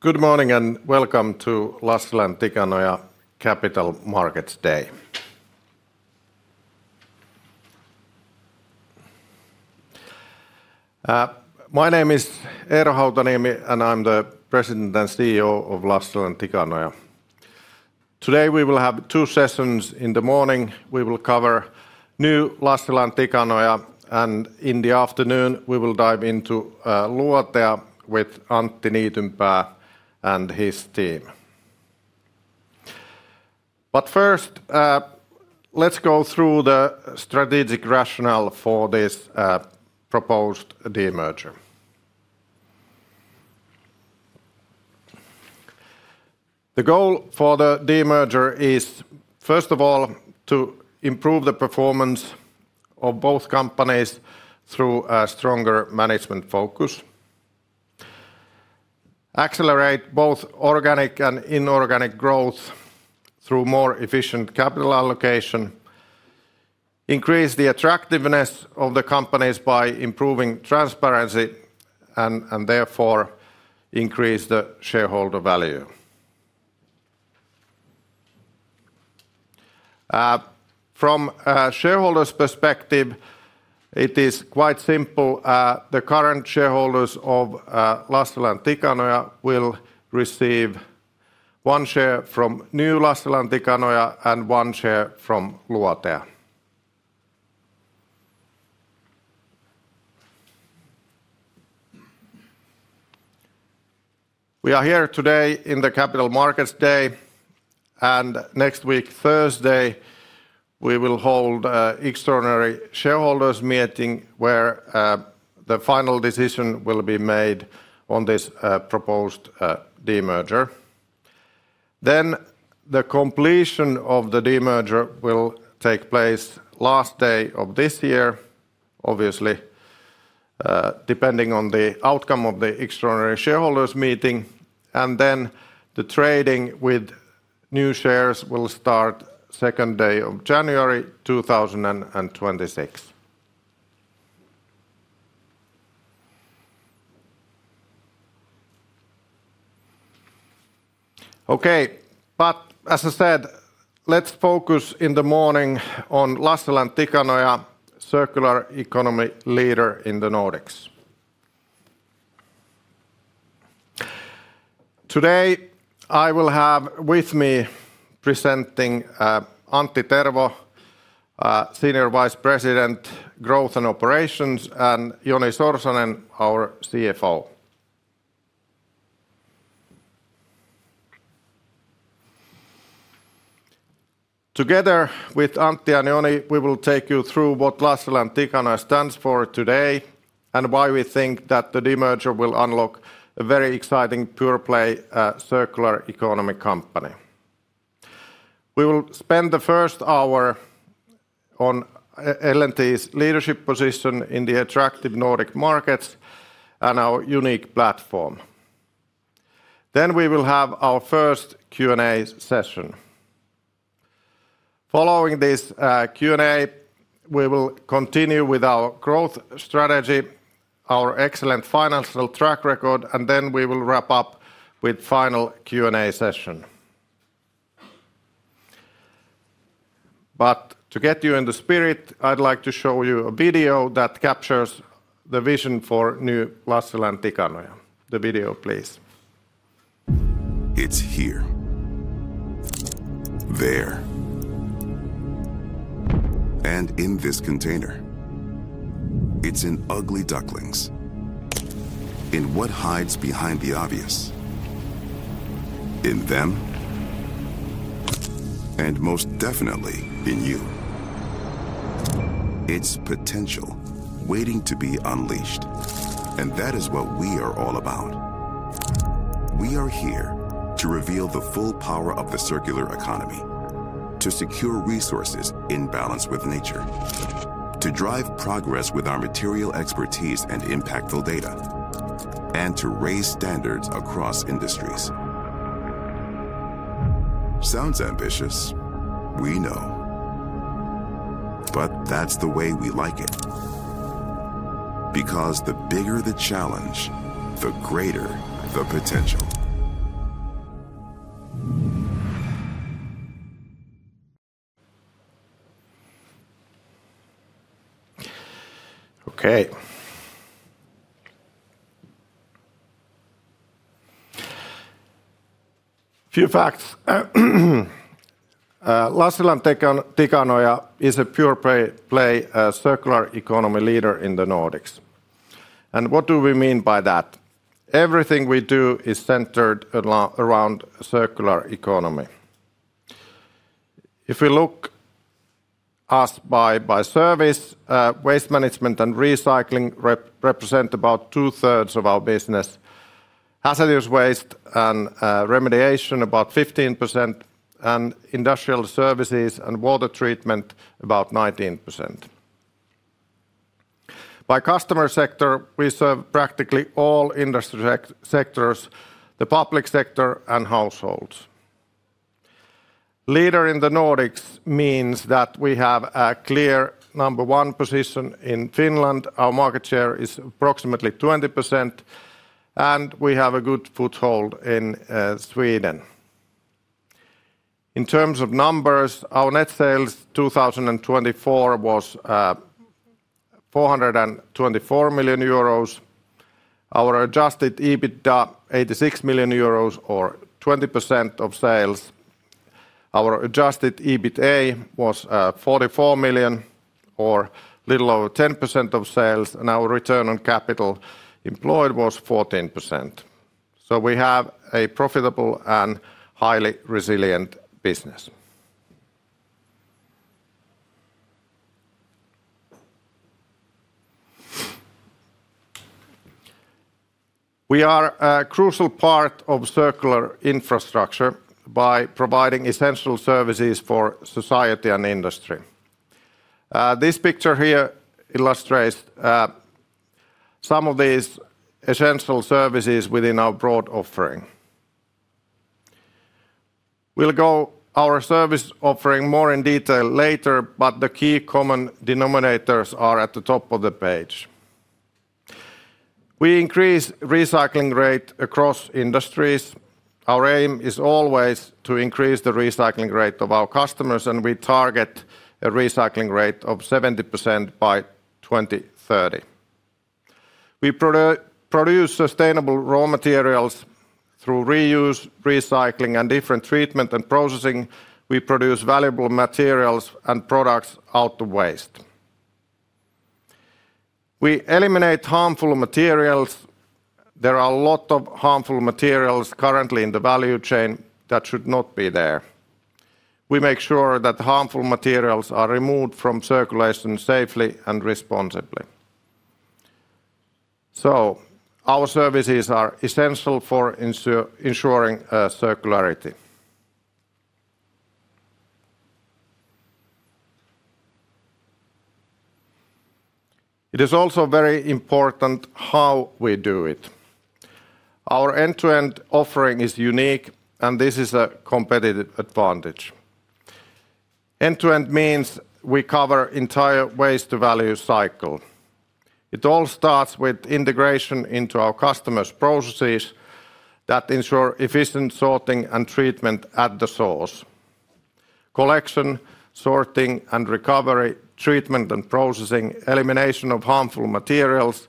Good morning, and welcome to Lassila & Tikanoja Capital Markets Day. My name is Eero Hautaniemi, and I'm the President and CEO of Lassila & Tikanoja. Today, we will have two sessions. In the morning, we will cover New Lassila & Tikanoja, and in the afternoon, we will dive into Luotea with Antti Niitynpää and his team. First, let's go through the strategic rationale for this proposed demerger. The goal for the demerger is, first of all, to improve the performance of both companies through a stronger management focus, accelerate both organic and inorganic growth through more efficient capital allocation, increase the attractiveness of the companies by improving transparency, and therefore, increase the shareholder value. From a shareholder's perspective, it is quite simple. The current shareholders of Lassila & Tikanoja will receive one share from New Lassila & Tikanoja and one share from Luotea. We are here today in the Capital Markets Day. Next week, Thursday, we will hold an extraordinary shareholders' meeting, where the final decision will be made on this proposed demerger. The completion of the demerger will take place last day of this year, obviously, depending on the outcome of the extraordinary shareholders' meeting, and then the trading with new shares will start second day of January 2026. As I said, let's focus in the morning on Lassila & Tikanoja, circular economy leader in the Nordics. Today, I will have with me presenting Antti Tervo, Senior Vice President, Growth and Operations, and Joni Sorsanen, our CFO. Together with Antti and Joni, we will take you through what Lassila & Tikanoja stands for today, and why we think that the demerger will unlock a very exciting pure-play circular economy company. We will spend the 1st hour on L&T's leadership position in the attractive Nordic markets and our unique platform. We will have our 1st Q&A session. Following this Q&A, we will continue with our growth strategy, our excellent financial track record, and then we will wrap up with final Q&A session. To get you in the spirit, I'd like to show you a video that captures the vision for new Lassila & Tikanoja. The video, please. It's here, there, and in this container. It's in ugly ducklings, in what hides behind the obvious, in them, and most definitely in you. It's potential waiting to be unleashed, and that is what we are all about. We are here to reveal the full power of the circular economy, to secure resources in balance with nature, to drive progress with our material expertise and impactful data, and to raise standards across industries. Sounds ambitious? We know. That's the way we like it, because the bigger the challenge, the greater the potential. Okay. Few facts. Lassila & Tikanoja is a pure play circular economy leader in the Nordics. What do we mean by that? Everything we do is centered around circular economy. If we look us by service, waste management and recycling represent about 2/3 of our business, hazardous waste and remediation, about 15%, and industrial services and water treatment, about 19%. By customer sector, we serve practically all industry sectors, the public sector, and households.... Leader in the Nordics means that we have a clear number one position in Finland. Our market share is approximately 20%, and we have a good foothold in Sweden. In terms of numbers, our net sales 2024 was 424 million euros. Our adjusted EBITDA, 86 million euros or 20% of sales. Our adjusted EBITA was 44 million or little over 10% of sales and our ROCE was 14%. We have a profitable and highly resilient business. We are a crucial part of circular infrastructure by providing essential services for society and industry. This picture here illustrates some of these essential services within our broad offering. We'll go our service offering more in detail later, but the key common denominators are at the top of the page. We increase recycling rate across industries. Our aim is always to increase the recycling rate of our customers. We target a recycling rate of 70% by 2030. We produce sustainable raw materials through reuse, recycling, and different treatment and processing. We produce valuable materials and products out of waste. We eliminate harmful materials. There are a lot of harmful materials currently in the value chain that should not be there. We make sure that harmful materials are removed from circulation safely and responsibly. Our services are essential for ensuring circularity. It is also very important how we do it. Our end-to-end offering is unique, and this is a competitive advantage. End-to-end means we cover entire waste-to-value cycle. It all starts with integration into our customers' processes that ensure efficient sorting and treatment at the source. Collection, sorting, and recovery, treatment and processing, elimination of harmful materials,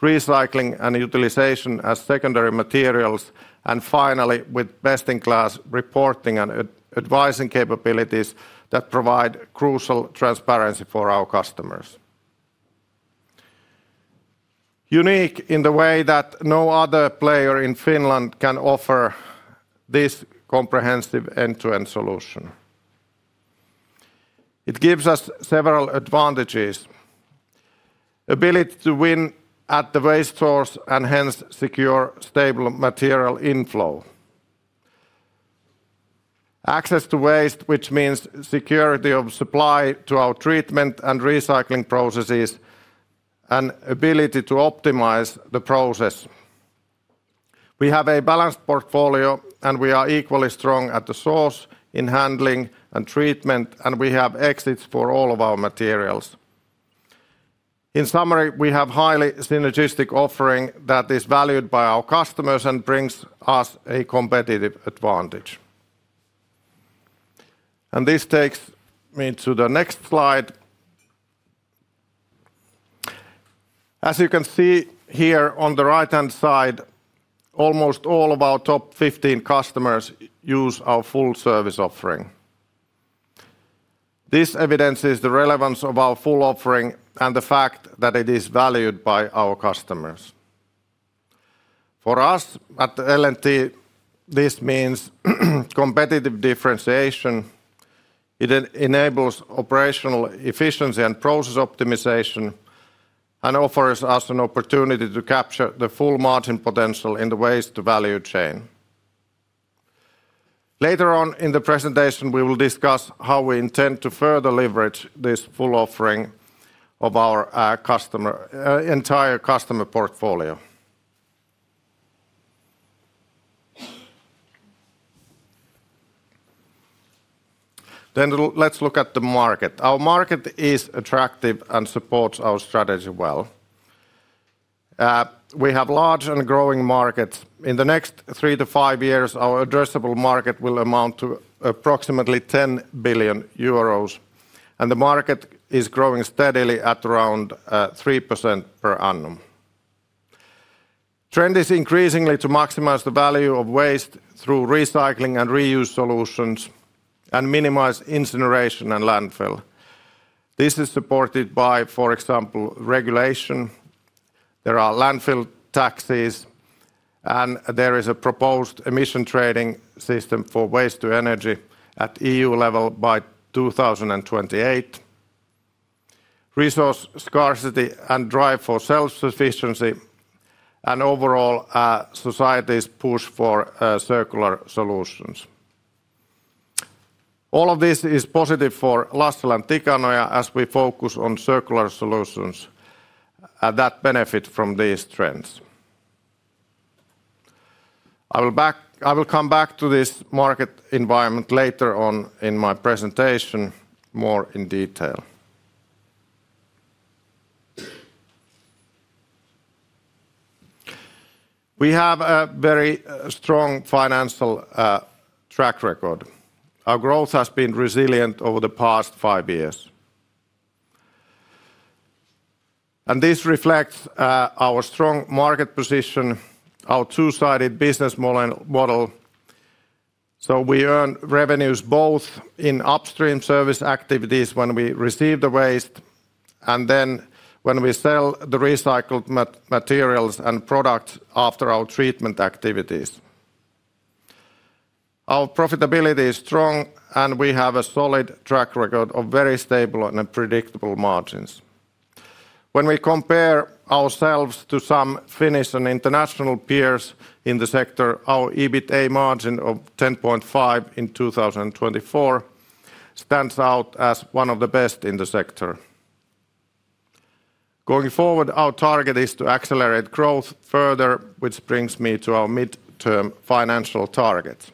recycling and utilization as secondary materials, and finally, with best-in-class reporting and advising capabilities that provide crucial transparency for our customers. Unique in the way that no other player in Finland can offer this comprehensive end-to-end solution. It gives us several advantages: ability to win at the waste source and hence secure stable material inflow, access to waste, which means security of supply to our treatment and recycling processes, and ability to optimize the process. We have a balanced portfolio, and we are equally strong at the source in handling and treatment, and we have exits for all of our materials. In summary, we have highly synergistic offering that is valued by our customers and brings us a competitive advantage. This takes me to the next slide. As you can see here on the right-hand side, almost all of our top 15 customers use our full service offering. This evidence is the relevance of our full offering and the fact that it is valued by our customers. For us at L&T, this means competitive differentiation. It enables operational efficiency and process optimization and offers us an opportunity to capture the full margin potential in the waste-to-value chain. Later on in the presentation, we will discuss how we intend to further leverage this full offering of our customer entire customer portfolio. Let's look at the market. Our market is attractive and supports our strategy well. We have large and growing markets. In the next three to five years, our addressable market will amount to approximately 10 billion euros, and the market is growing steadily at around 3% per annum. Trend is increasingly to maximize the value of waste through recycling and reuse solutions and minimize incineration and landfill. This is supported by, for example, regulation. There are landfill taxes, and there is a proposed Emissions Trading System for waste to energy at EU level by 2028, resource scarcity and drive for self-sufficiency, and overall, society's push for circular solutions. All of this is positive for Lassila & Tikanoja as we focus on circular solutions that benefit from these trends. I will come back to this market environment later on in my presentation more in detail. We have a very strong financial track record. Our growth has been resilient over the past five years. This reflects our strong market position, our two-sided business model. We earn revenues both in upstream service activities when we receive the waste, and then when we sell the recycled materials and products after our treatment activities. Our profitability is strong, and we have a solid track record of very stable and predictable margins. When we compare ourselves to some Finnish and international peers in the sector, our EBITA margin of 10.5% in 2024 stands out as one of the best in the sector. Going forward, our target is to accelerate growth further, which brings me to our midterm financial target.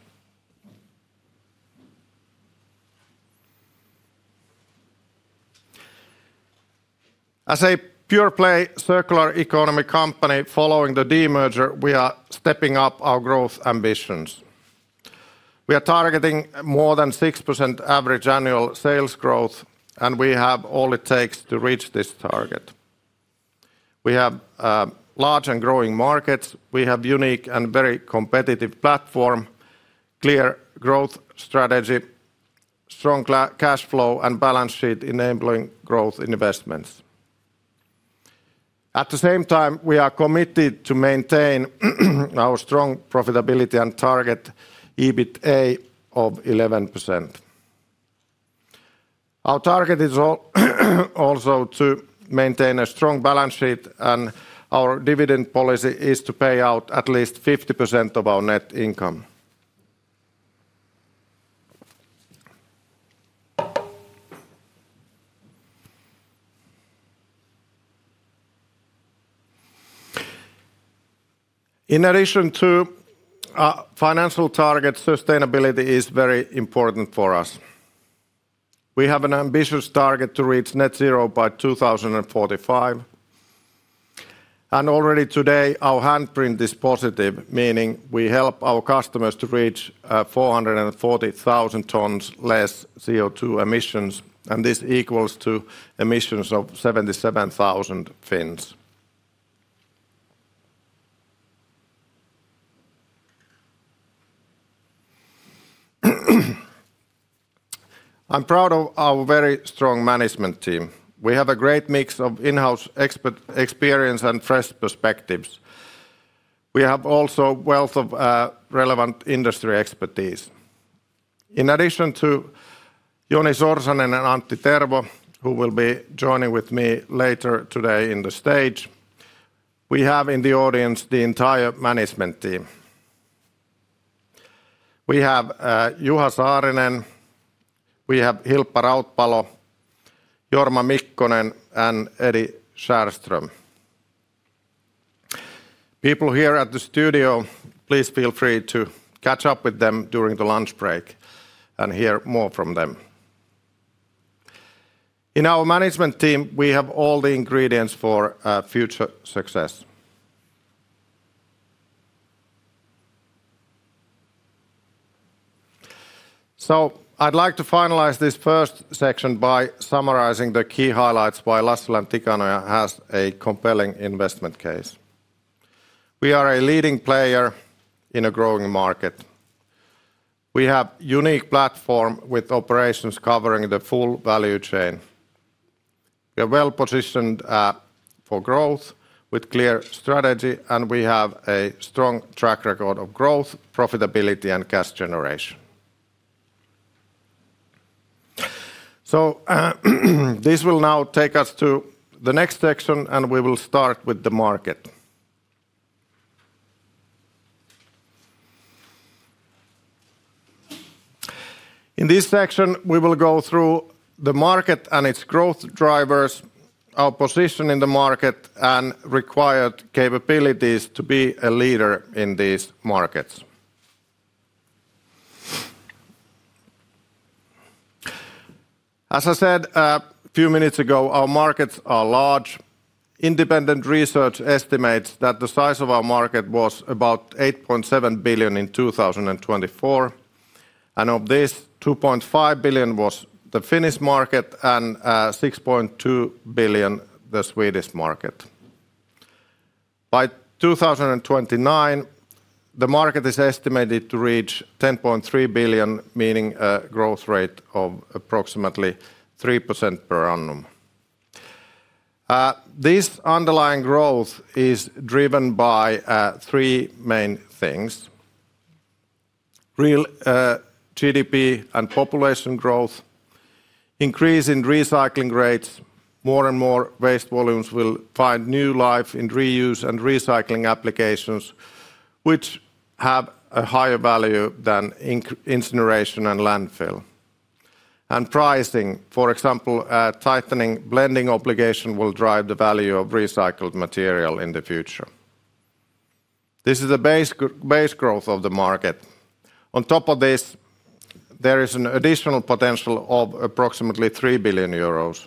As a pure-play circular economy company, following the demerger, we are stepping up our growth ambitions. We are targeting more than 6% average annual sales growth, and we have all it takes to reach this target. We have large and growing markets, we have unique and very competitive platform, clear growth strategy, strong cash flow, and balance sheet enabling growth investments. At the same time, we are committed to maintain our strong profitability and target EBITA of 11%. Our target is also to maintain a strong balance sheet. Our dividend policy is to pay out at least 50% of our net income. In addition to financial targets, sustainability is very important for us. We have an ambitious target to reach net zero by 2045. Already today, our handprint is positive, meaning we help our customers to reach 440,000 tons less CO2 emissions. This equals to emissions of 77,000 Finns. I'm proud of our very strong management team. We have a great mix of in-house experience and fresh perspectives. We have also wealth of relevant industry expertise. In addition to Joni Sorsanen and Antti Tervo, who will be joining with me later today in the stage, we have in the audience the entire management team. We have Juha Saarinen, we have Hilppa Rautpalo, Jorma Mikkonen, and Edward Skärström. People here at the studio, please feel free to catch up with them during the lunch break and hear more from them. In our management team, we have all the ingredients for future success. I'd like to finalize this first section by summarizing the key highlights why Lassila & Tikanoja has a compelling investment case. We are a leading player in a growing market. We have unique platform with operations covering the full value chain. We are well-positioned for growth with clear strategy, and we have a strong track record of growth, profitability, and cash generation. This will now take us to the next section, and we will start with the market. In this section, we will go through the market and its growth drivers, our position in the market, and required capabilities to be a leader in these markets. As I said, a few minutes ago, our markets are large. Independent research estimates that the size of our market was about 8.7 billion in 2024, of this, 2.5 billion was the Finnish market and 6.2 billion the Swedish market. By 2029, the market is estimated to reach 10.3 billion, meaning a growth rate of approximately 3% per annum. This underlying growth is driven by three main things: real GDP and population growth, increase in recycling rates, more and more waste volumes will find new life in reuse and recycling applications, which have a higher value than incineration and landfill.... Pricing. For example, tightening blending obligation will drive the value of recycled material in the future. This is the base growth of the market. On top of this, there is an additional potential of approximately 3 billion euros.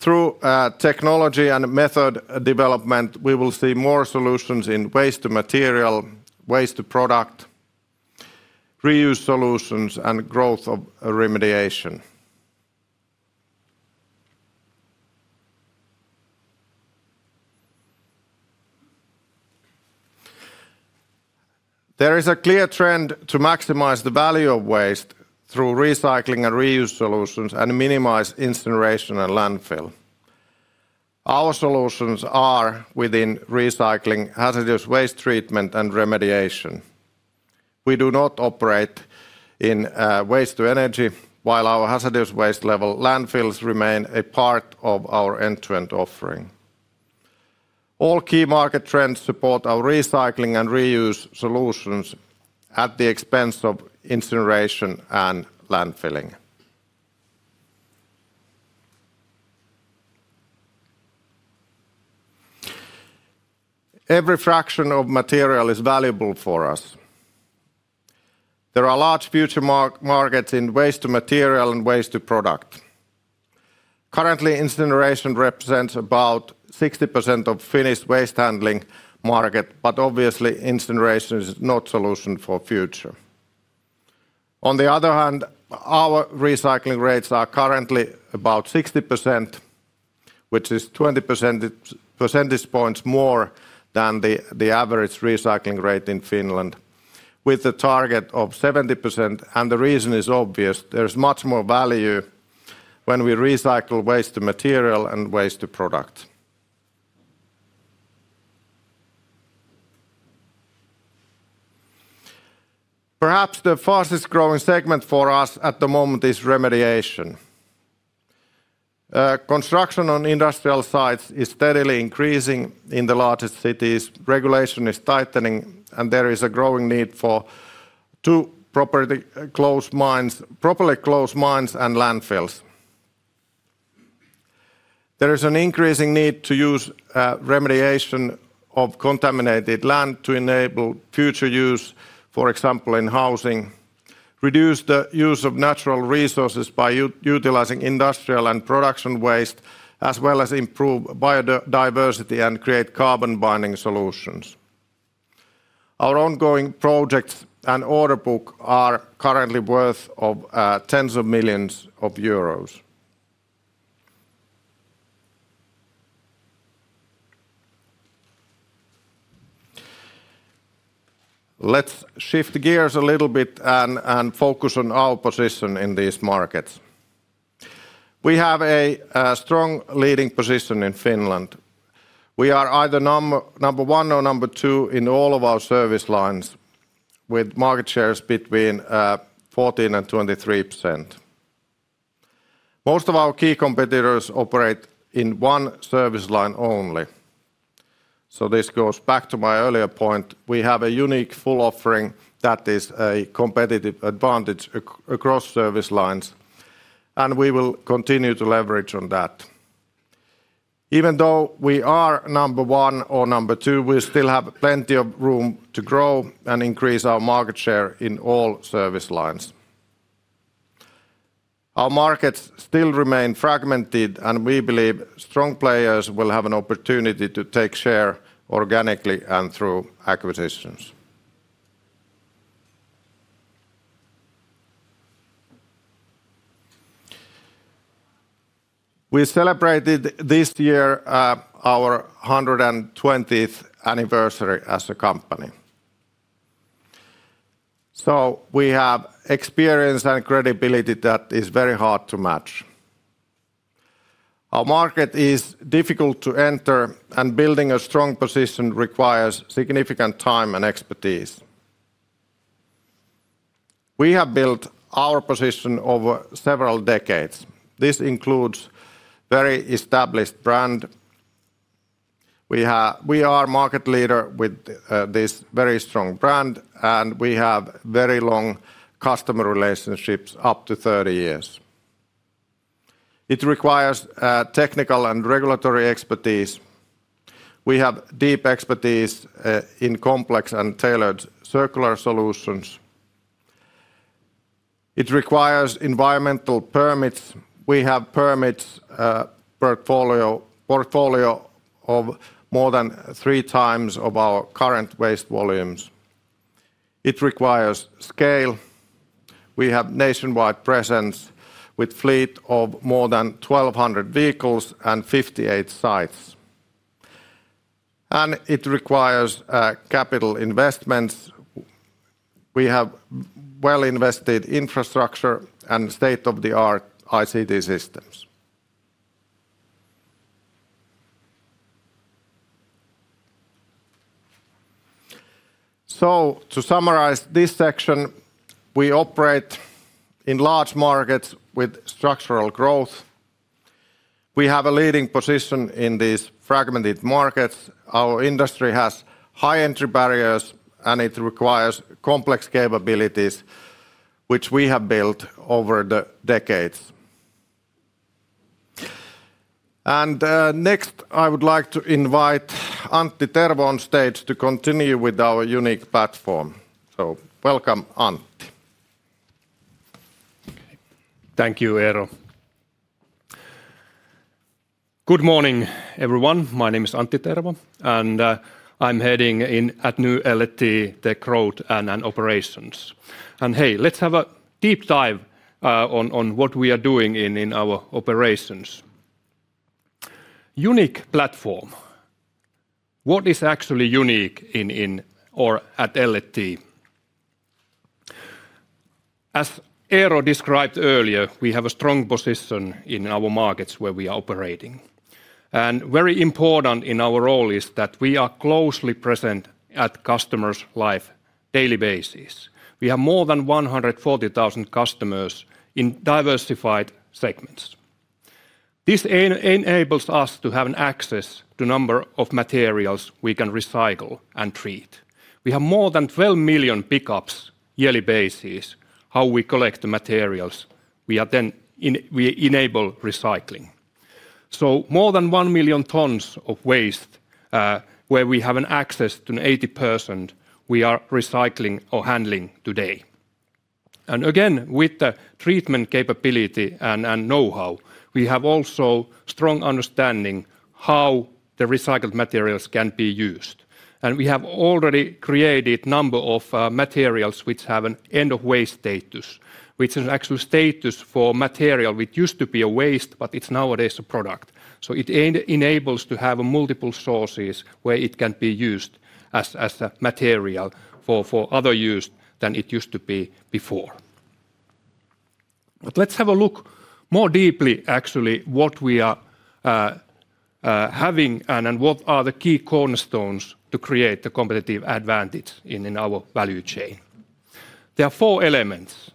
Through technology and method development, we will see more solutions in waste to material, waste to product, reuse solutions, and growth of remediation. There is a clear trend to maximize the value of waste through recycling and reuse solutions and minimize incineration and landfill. Our solutions are within recycling, hazardous waste treatment, and remediation. We do not operate in waste to energy, while our hazardous waste level landfills remain a part of our end-to-end offering. All key market trends support our recycling and reuse solutions at the expense of incineration and landfilling. Every fraction of material is valuable for us. There are large future markets in waste to material and waste to product. Currently, incineration represents about 60% of Finnish waste handling market, but obviously incineration is not solution for future. On the other hand, our recycling rates are currently about 60%, which is 20 percentage points more than the average recycling rate in Finland, with a target of 70%, and the reason is obvious: there's much more value when we recycle waste to material and waste to product. Perhaps the fastest growing segment for us at the moment is remediation. Construction on industrial sites is steadily increasing in the largest cities, regulation is tightening, and there is a growing need for properly closed mines and landfills. There is an increasing need to use remediation of contaminated land to enable future use, for example, in housing, reduce the use of natural resources by utilizing industrial and production waste, as well as improve biodiversity and create carbon binding solutions. Our ongoing projects and order book are currently worth of tens of millions of Euros. Let's shift gears a little bit and focus on our position in these markets. We have a strong leading position in Finland. We are either number one or number two in all of our service lines, with market shares between 14% and 23%. Most of our key competitors operate in one service line only. This goes back to my earlier point: we have a unique full offering that is a competitive advantage across service lines, and we will continue to leverage on that. Even though we are number one or number two, we still have plenty of room to grow and increase our market share in all service lines. Our markets still remain fragmented. We believe strong players will have an opportunity to take share organically and through acquisitions. We celebrated this year, our 120th anniversary as a company. We have experience and credibility that is very hard to match. Our market is difficult to enter. Building a strong position requires significant time and expertise. We have built our position over several decades. This includes very established brand. We are market leader with this very strong brand, and we have very long customer relationships, up to 30 years. It requires technical and regulatory expertise. We have deep expertise in complex and tailored circular solutions. It requires environmental permits. We have permits, portfolio of more than 3x of our current waste volumes. It requires scale. We have nationwide presence with fleet of more than 1,200 vehicles and 58 sites. It requires capital investments. We have well-invested infrastructure and state-of-the-art ICT systems. To summarize this section, we operate in large markets with structural growth. We have a leading position in these fragmented markets. Our industry has high entry barriers, it requires complex capabilities, which we have built over the decades. Next, I would like to invite Antti Tervo on stage to continue with our unique platform. Welcome, Antti. Thank you, Eero. Good morning, everyone. My name is Antti Tervo, and I'm heading in at New L&T, the Growth and Operations. Hey, let's have a deep dive on what we are doing in our operations. Unique platform. What is actually unique in or at L&T? As Eero described earlier, we have a strong position in our markets where we are operating. Very important in our role is that we are closely present at customers' life daily basis. We have more than 140,000 customers in diversified segments. This enables us to have an access to number of materials we can recycle and treat. We have more than 12 million pickups yearly basis, how we collect the materials. We enable recycling. More than 1 million tons of waste, where we have an access to 80%, we are recycling or handling today. Again, with the treatment capability and know-how, we have also strong understanding how the recycled materials can be used. We have already created number of materials which have an end-of-waste status, which is actual status for material which used to be a waste, but it's nowadays a product. It enables to have multiple sources where it can be used as a material for other use than it used to be before. Let's have a look more deeply, actually, what we are having and what are the key cornerstones to create the competitive advantage in our value chain. There are four elements: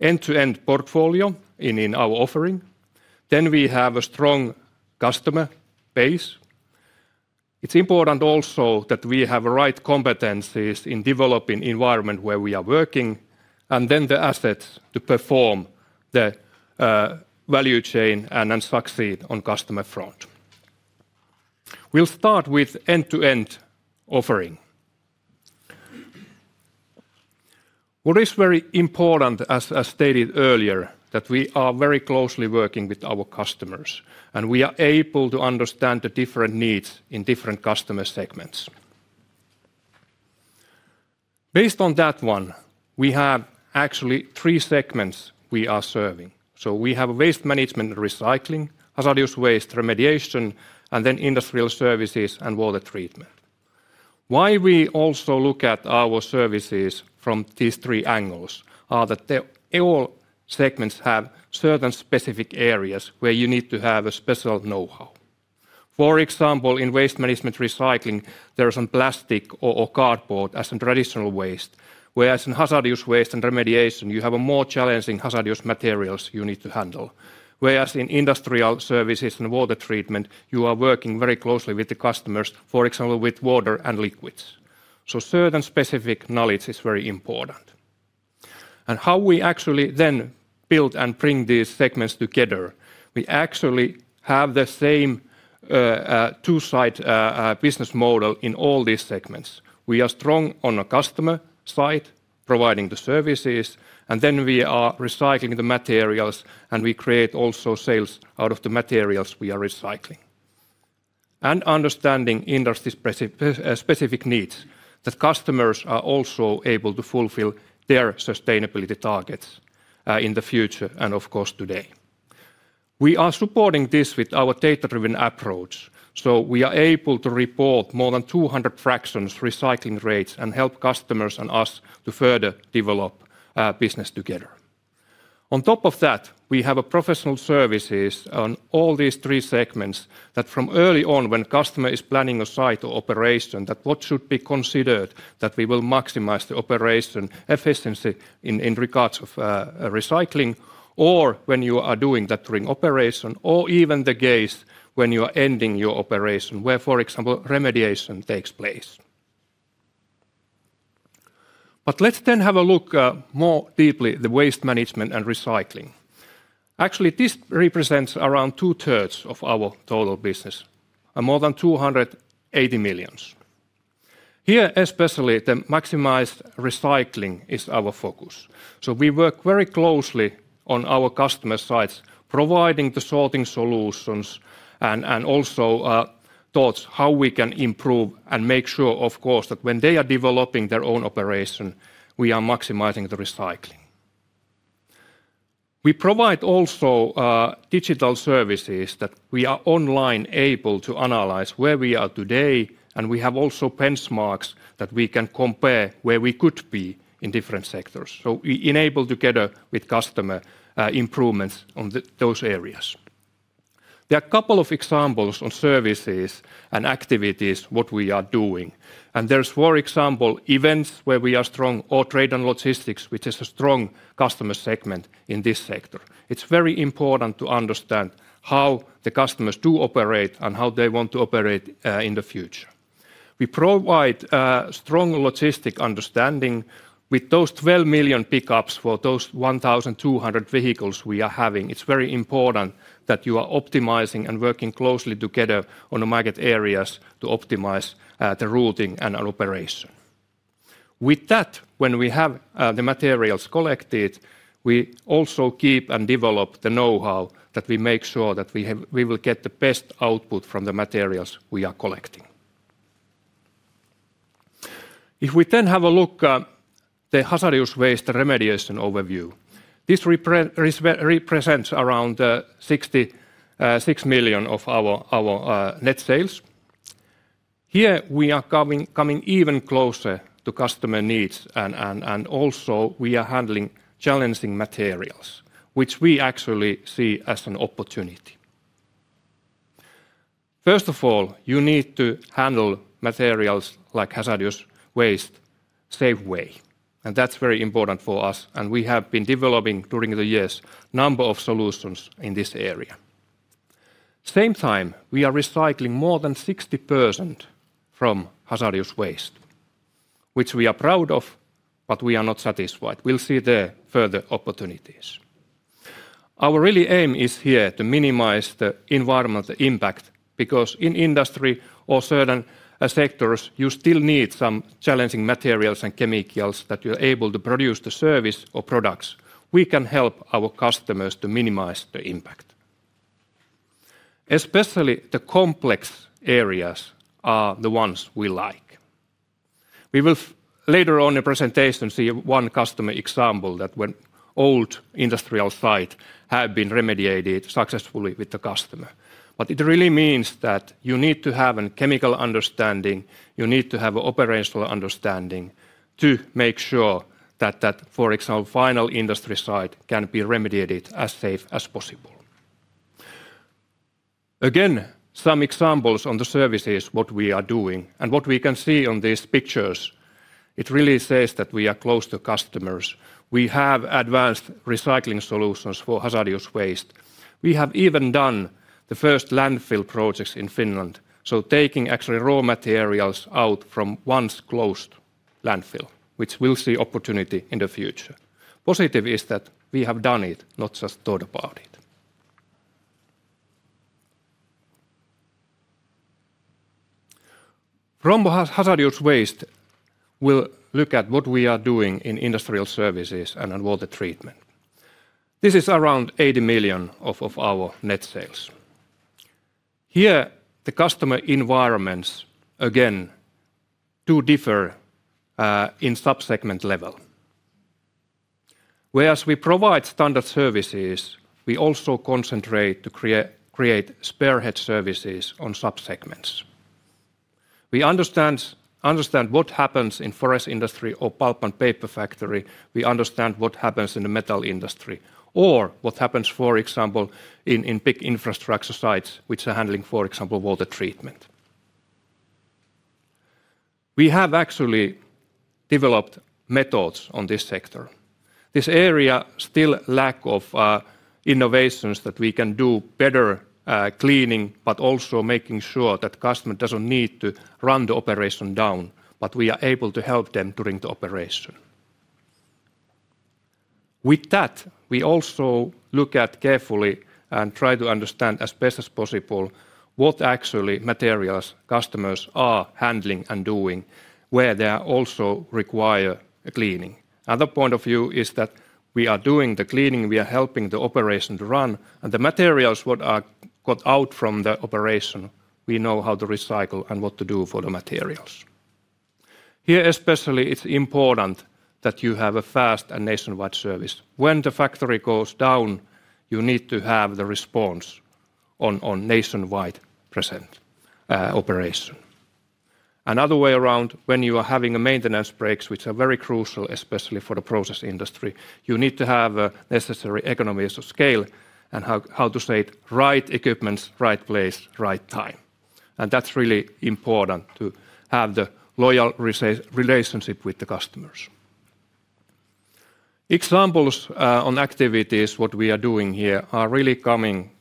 end-to-end portfolio in our offering, then we have a strong customer base. It's important also that we have the right competencies in developing environment where we are working, and then the assets to perform the value chain and succeed on customer front. We'll start with end-to-end offering. What is very important, as stated earlier, that we are very closely working with our customers, and we are able to understand the different needs in different customer segments. Based on that one, we have actually three segments we are serving. We have waste management and recycling, hazardous waste remediation, and then industrial services and water treatment. Why we also look at our services from these three angles are that the all segments have certain specific areas where you need to have a special know-how. For example, in waste management recycling, there is some plastic or cardboard as in traditional waste, whereas in hazardous waste and remediation, you have a more challenging hazardous materials you need to handle. Whereas in industrial services and water treatment, you are working very closely with the customers, for example, with water and liquids. Certain specific knowledge is very important. How we actually then build and bring these segments together, we actually have the same two side business model in all these segments. We are strong on the customer side, providing the services, and then we are recycling the materials, and we create also sales out of the materials we are recycling. Understanding industry specific needs, that customers are also able to fulfill their sustainability targets in the future, and of course, today. We are supporting this with our data-driven approach. We are able to report more than 200 fractions, recycling rates, and help customers and us to further develop business together. On top of that, we have a professional services on all these three segments, that from early on, when customer is planning a site or operation, that what should be considered, that we will maximize the operation efficiency in regards of recycling, or when you are doing that during operation, or even the case when you are ending your operation, where, for example, remediation takes place. Let's then have a look more deeply, the waste management and recycling. Actually, this represents around two-thirds of our total business, and more than 280 million. Here, especially, the maximized recycling is our focus. We work very closely on our customer sites, providing the sorting solutions and also thoughts how we can improve and make sure, of course, that when they are developing their own operation, we are maximizing the recycling. We provide also digital services that we are online able to analyze where we are today, and we have also benchmarks that we can compare where we could be in different sectors. We enable together with customer improvements on those areas. There are a couple of examples on services and activities, what we are doing, and there's, for example, events where we are strong or trade and logistics, which is a strong customer segment in this sector. It's very important to understand how the customers do operate and how they want to operate in the future. We provide strong logistic understanding with those 12 million pickups for those 1,200 vehicles we are having. It's very important that you are optimizing and working closely together on the market areas to optimize the routing and operation. With that, when we have the materials collected, we also keep and develop the know-how that we make sure that we will get the best output from the materials we are collecting. If we then have a look, the hazardous waste remediation overview, this represents around 66 million of our net sales. Here, we are coming even closer to customer needs, and also we are handling challenging materials, which we actually see as an opportunity. First of all, you need to handle materials like hazardous waste safe way. That's very important for us. We have been developing during the years, number of solutions in this area. Same time, we are recycling more than 60% from hazardous waste, which we are proud of. We are not satisfied. We'll see the further opportunities. Our really aim is here to minimize the environmental impact. In industry or certain sectors, you still need some challenging materials and chemicals that you're able to produce the service or products. We can help our customers to minimize the impact. Especially the complex areas are the ones we like. We will later on in presentation, see one customer example that when old industrial site have been remediated successfully with the customer. It really means that you need to have a chemical understanding, you need to have operational understanding to make sure that, for example, final industry site can be remediated as safe as possible. Again, some examples on the services, what we are doing and what we can see on these pictures, it really says that we are close to customers. We have advanced recycling solutions for hazardous waste. We have even done the first landfill projects in Finland, so taking actual raw materials out from once closed landfill, which we'll see opportunity in the future. Positive is that we have done it, not just thought about it. From hazardous waste, we'll look at what we are doing in industrial services and on water treatment. This is around 80 million of our net sales. Here, the customer environments, again, do differ in sub-segment level. Whereas we provide standard services, we also concentrate to create spearhead services on sub-segments. We understand what happens in forest industry or pulp and paper factory. We understand what happens in the metal industry, or what happens, for example, in big infrastructure sites, which are handling, for example, water treatment. We have actually developed methods on this sector. This area still lack of innovations that we can do better cleaning, but also making sure that the customer doesn't need to run the operation down, but we are able to help them during the operation. With that, we also look at carefully and try to understand as best as possible what actually materials customers are handling and doing, where they are also require a cleaning. Another point of view is that we are doing the cleaning, we are helping the operation to run, and the materials what are got out from the operation, we know how to recycle and what to do for the materials. Here, especially, it's important that you have a fast and nationwide service. When the factory goes down, you need to have the response on nationwide present operation. Another way around, when you are having a maintenance breaks, which are very crucial, especially for the process industry, you need to have a necessary economies of scale and how to say it, right equipments, right place, right time. That's really important to have the loyal relationship with the customers. Examples on activities, what we are doing here are really coming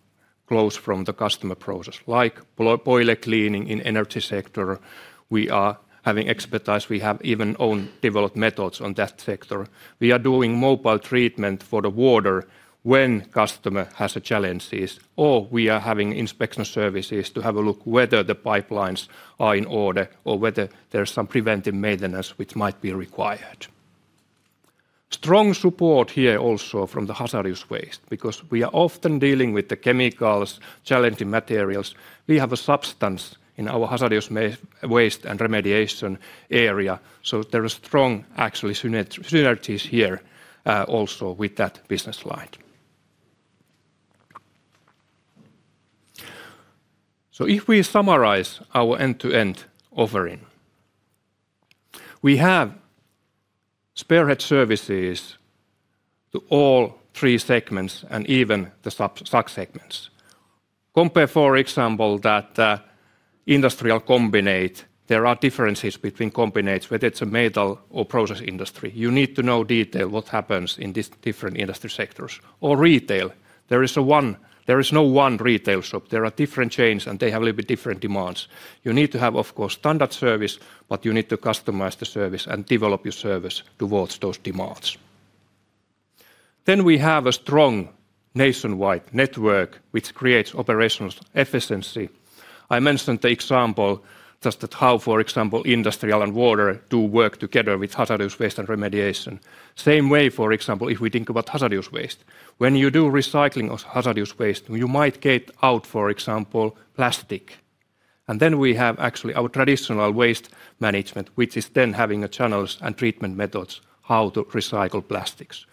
close from the customer process, like boiler cleaning in energy sector. We are having expertise. We have even own developed methods on that sector. We are doing mobile treatment for the water when customer has a challenges, or we are having inspection services to have a look whether the pipelines are in order or whether there's some preventive maintenance which might be required. Strong support here also from the hazardous waste, because we are often dealing with the chemicals, challenging materials. We have a substance in our hazardous waste and remediation area, there are strong actually synergies here also with that business line. If we summarize our end-to-end offering, we have spearhead services to all three segments and even the subsegments. Compare, for example, that industrial combinate, there are differences between combinates, whether it's a metal or process industry. You need to know detail what happens in these different industry sectors. Retail, there is no one retail shop. There are different chains, they have a little bit different demands. You need to have, of course, standard service, you need to customize the service and develop your service towards those demands. We have a strong nationwide network, which creates operational efficiency. I mentioned the example, just that how, for example, industrial and water do work together with hazardous waste and remediation. Same way, for example, if we think about hazardous waste. When you do recycling of hazardous waste, you might get out, for example, plastic, and then we have actually our traditional waste management, which is then having a channels and treatment methods how to recycle plastics.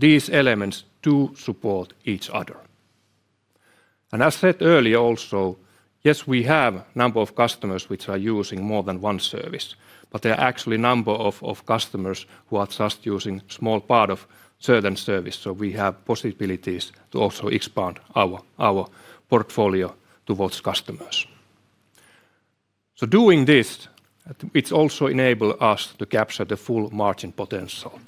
These elements do support each other. As said earlier also, yes, we have number of customers which are using more than one service, but there are actually a number of customers who are just using small part of certain service, so we have possibilities to also expand our portfolio towards customers. Doing this, it also enable us to capture the full margin potential.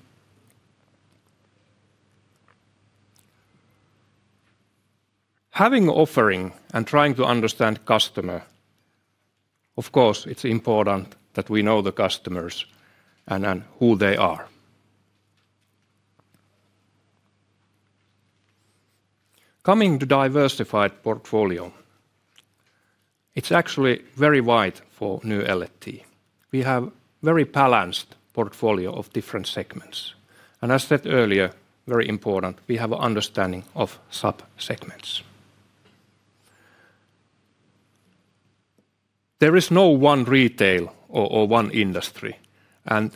Having offering and trying to understand customer, of course, it's important that we know the customers and who they are. Coming to diversified portfolio, it's actually very wide for New L&T. We have very balanced portfolio of different segments, and as said earlier, very important, we have an understanding of sub-segments. There is no one retail or one industry, and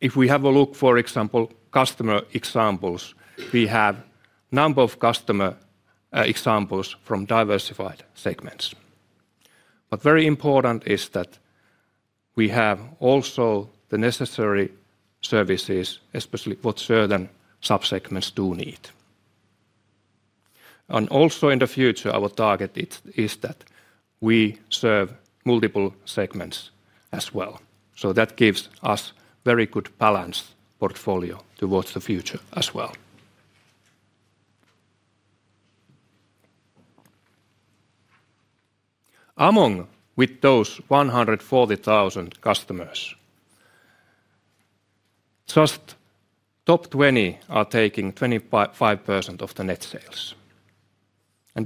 if we have a look, for example, customer examples, we have number of customer examples from diversified segments. Very important is that we have also the necessary services, especially what certain sub-segments do need. Also in the future, our target is that we serve multiple segments as well, so that gives us very good balanced portfolio towards the future as well. Among with those 140,000 customers, just top 20 are taking 25% of the net sales.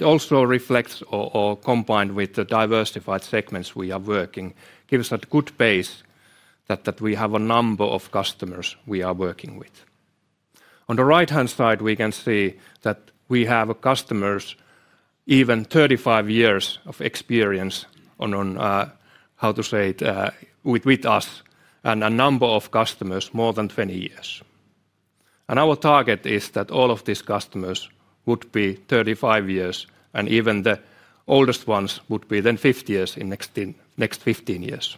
Also reflects or combined with the diversified segments we are working, gives us a good base that we have a number of customers we are working with. On the right-hand side, we can see that we have customers even 35 years of experience on how to say it, with us, and a number of customers, more than 20 years. Our target is that all of these customers would be 35 years, and even the oldest ones would be then 50 years in next 15 years.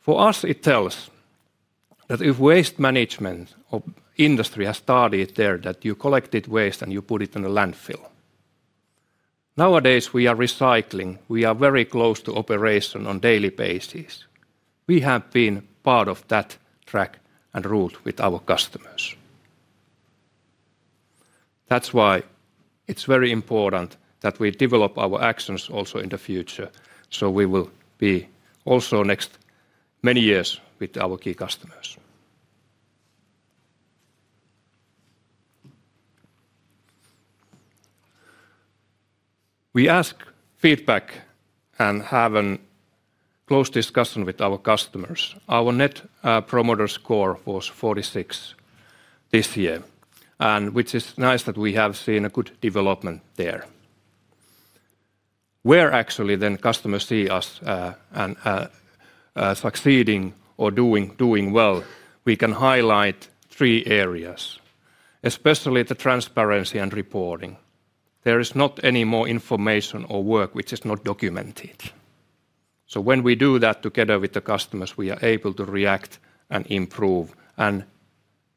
For us, it tells that if waste management or industry has started there, that you collected waste and you put it in a landfill. Nowadays, we are recycling. We are very close to operation on daily basis. We have been part of that track and route with our customers. That's why it's very important that we develop our actions also in the future, we will be also next many years with our key customers. We ask feedback and have an close discussion with our customers. Our Net Promoter Score was 46 this year, which is nice that we have seen a good development there. Where actually customers see us succeeding or doing well, we can highlight three areas, especially the transparency and reporting. There is not any more information or work which is not documented. When we do that together with the customers, we are able to react and improve and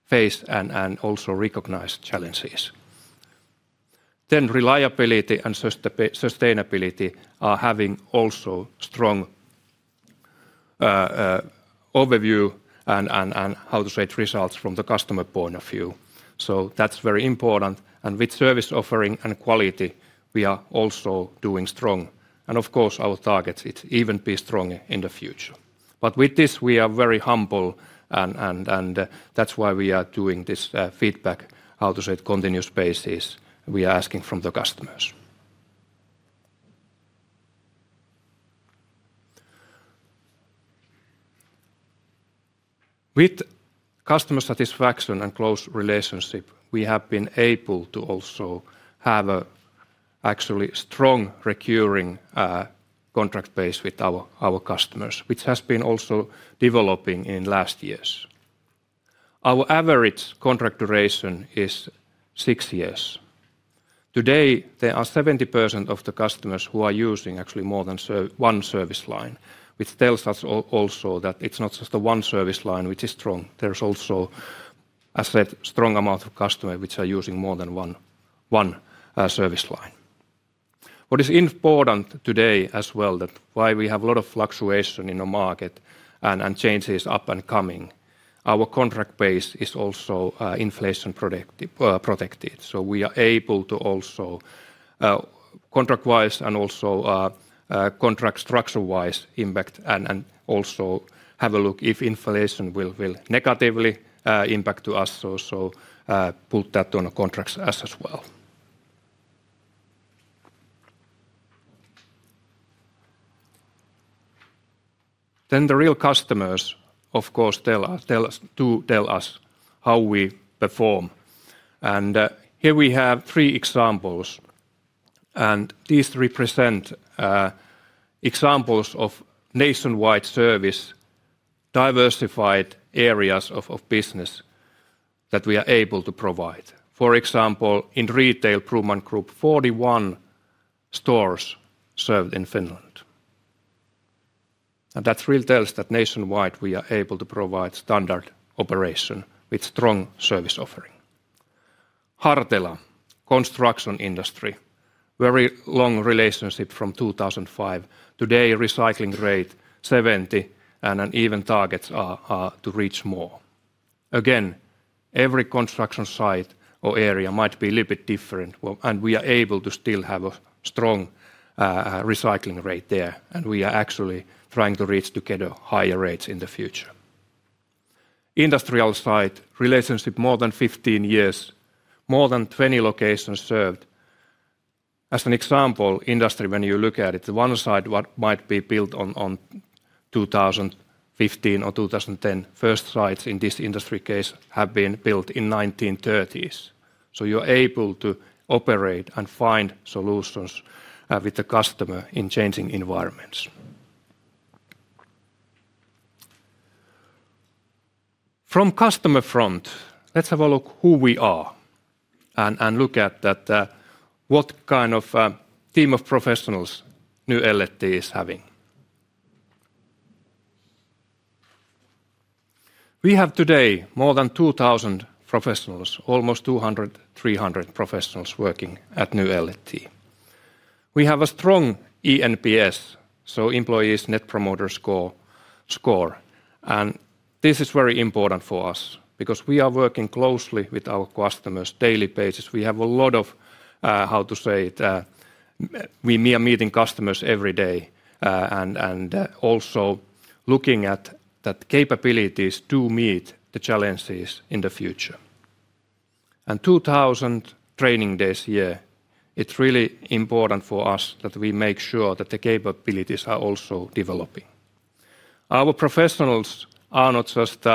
face and also recognize challenges. Reliability and sustainability are having also strong overview and how to set results from the customer point of view. That's very important, with service offering and quality, we are also doing strong, and of course, our target is to even be stronger in the future. With this, we are very humble and that's why we are doing this feedback, how to set continuous basis we are asking from the customers. With customer satisfaction and close relationship, we have been able to also have a actually strong recurring contract base with our customers, which has been also developing in last years. Our average contract duration is six years. Today, there are 70% of the customers who are using actually more than one service line, which tells us also that it's not just the one service line which is strong. There's also a set strong amount of customer which are using more than one service line. What is important today as well, that why we have a lot of fluctuation in the market and changes up and coming, our contract base is also inflation protected. We are able to also. contract wise and also contract structure wise impact, also have a look if inflation will negatively impact to us. Put that on the contracts as well. The real customers, of course, do tell us how we perform. Here we have three examples, these represent examples of nationwide service, diversified areas of business that we are able to provide. For example, in retail, Pruman Group, 41 stores served in Finland. That really tells that nationwide, we are able to provide standard operation with strong service offering. Hartela, construction industry, very long relationship from 2005. Today, recycling rate 70, even targets are to reach more. Every construction site or area might be a little bit different, well, we are able to still have a strong recycling rate there, and we are actually trying to reach together higher rates in the future. Industrial site, relationship more than 15 years, more than 20 locations served. As an example, industry, when you look at it, the one side what might be built on 2015 or 2010, first sites in this industry case have been built in 1930s. You're able to operate and find solutions with the customer in changing environments. From customer front, let's have a look who we are and look at that, what kind of a team of professionals New L&T is having. We have today more than 2,000 professionals, almost 300 professionals working at New L&T. We have a strong eNPS, so employees' Net Promoter Score, this is very important for us because we are working closely with our customers daily basis. We have a lot of how to say it, we are meeting customers every day, and also looking at that capabilities to meet the challenges in the future. 2,000 training days a year, it's really important for us that we make sure that the capabilities are also developing. Our professionals are not just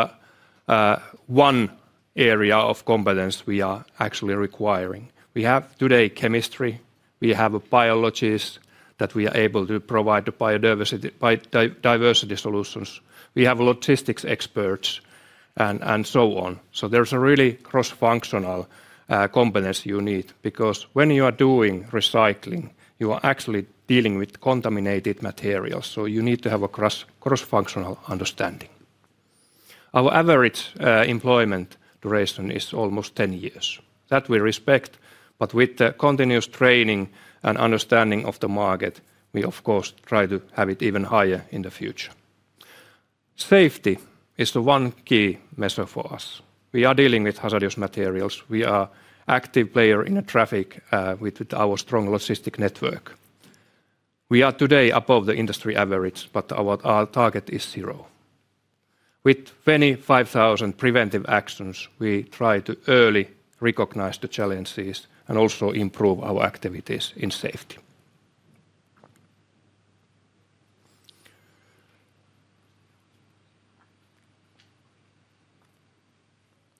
one area of competence we are actually requiring. We have today chemistry, we have a biologist, that we are able to provide the biodiversity solutions. We have logistics experts and so on. There's a really cross-functional competence you need, because when you are doing recycling, you are actually dealing with contaminated materials, so you need to have a cross-functional understanding. Our average employment duration is almost 10 years. That we respect. With the continuous training and understanding of the market, we, of course, try to have it even higher in the future. Safety is the one key measure for us. We are dealing with hazardous materials. We are active player in the traffic with our strong logistic network. We are today above the industry average, but our target is zero. With 25,000 preventive actions, we try to early recognize the challenges and also improve our activities in safety.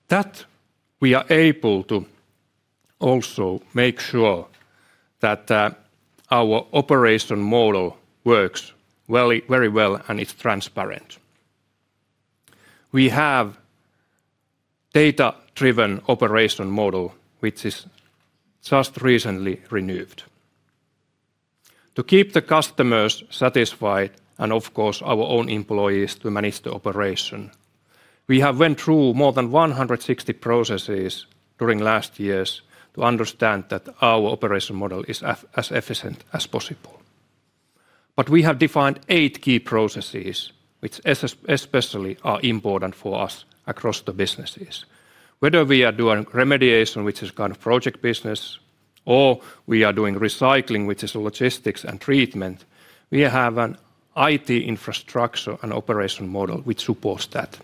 That we are able to also make sure that our operation model works very well and is transparent. We have data-driven operation model, which is just recently renewed. To keep the customers satisfied, and of course, our own employees to manage the operation, we have went through more than 160 processes during last years to understand that our operation model is as efficient as possible. We have defined eight key processes, which especially are important for us across the businesses. Whether we are doing remediation, which is kind of project business, or we are doing recycling, which is logistics and treatment, we have an IT infrastructure and operation model which supports that.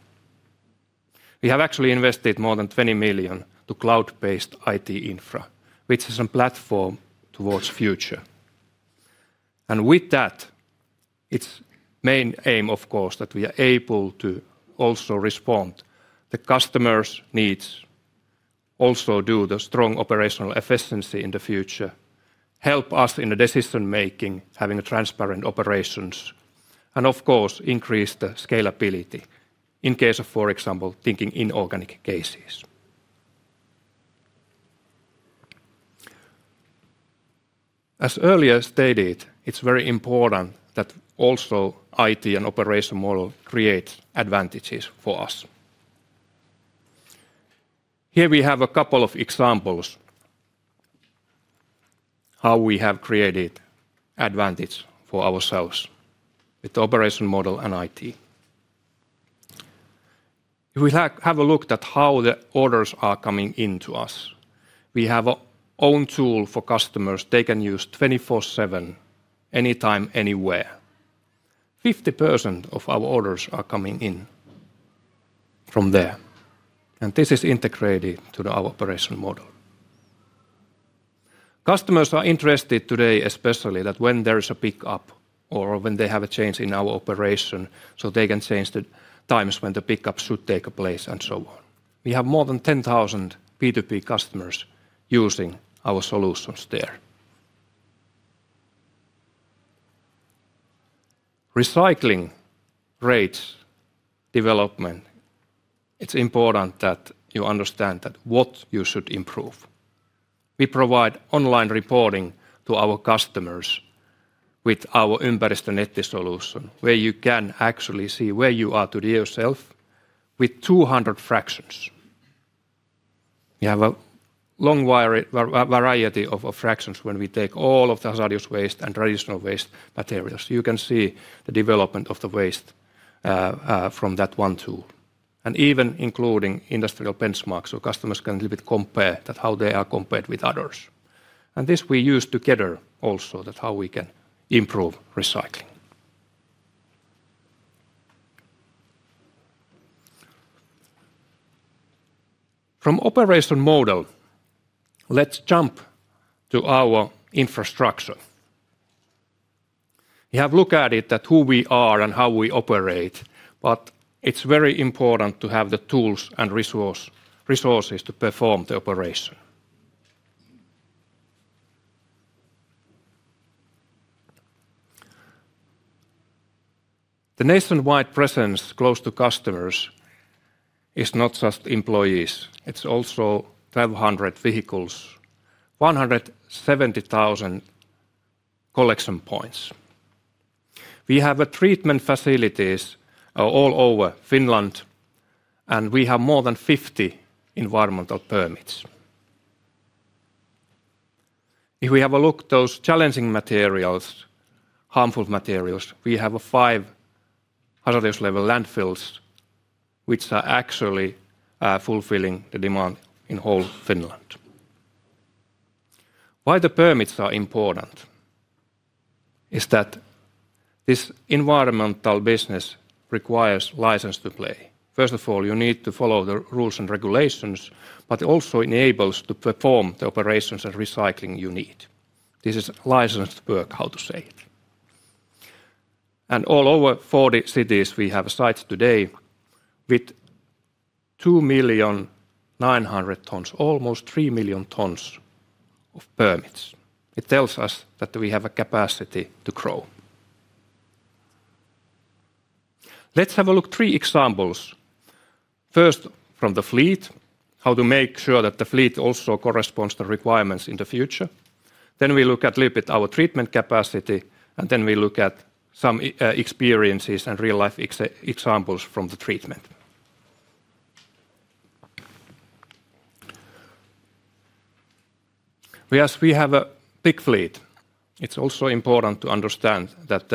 We have actually invested more than 20 million to cloud-based IT infra, which is a platform towards future. With that, its main aim, of course, that we are able to also respond the customers' needs, also do the strong operational efficiency in the future, help us in the decision-making, having transparent operations, and of course, increase the scalability in case of, for example, thinking inorganic cases. As earlier stated, it's very important that also IT and operation model create advantages for us. Here we have a couple of examples how we have created advantage for ourselves with the operation model and IT. If we have a look at how the orders are coming in to us, we have a own tool for customers they can use 24/7, anytime, anywhere. 50% of our orders are coming in from there. This is integrated to our operation model. Customers are interested today, especially that when there is a pick-up or when they have a change in our operation, so they can change the times when the pick-up should take place and so on. We have more than 10,000 B2B customers using our solutions there. Recycling rates development, it's important that you understand that what you should improve. We provide online reporting to our customers with our Ympäristönetti solution, where you can actually see where you are today yourself with 200 fractions. We have a long variety of fractions when we take all of the hazardous waste and traditional waste materials. You can see the development of the waste from that one tool, and even including industrial benchmarks, so customers can little bit compare that how they are compared with others. This we use together also, that how we can improve recycling. From operation model, let's jump to our infrastructure. We have looked at it, at who we are and how we operate, but it's very important to have the tools and resources to perform the operation. The nationwide presence close to customers is not just employees, it's also 1,200 vehicles, 170,000 collection points. We have treatment facilities all over Finland, and we have more than 50 environmental permits. If we have a look those challenging materials, harmful materials, we have a five hazardous level landfills, which are actually fulfilling the demand in whole Finland. Why the permits are important, is that this environmental business requires license to play. First of all, you need to follow the rules and regulations, also enables to perform the operations and recycling you need. This is licensed work, how to say it. All over 40 cities, we have sites today with 2,900,000 tons, almost 3,000,000 tons of permits. It tells us that we have a capacity to grow. Let's have a look three examples. First, from the fleet, how to make sure that the fleet also corresponds to requirements in the future. We look at little bit our treatment capacity, and then we look at some experiences and real-life examples from the treatment. We as we have a big fleet, it's also important to understand that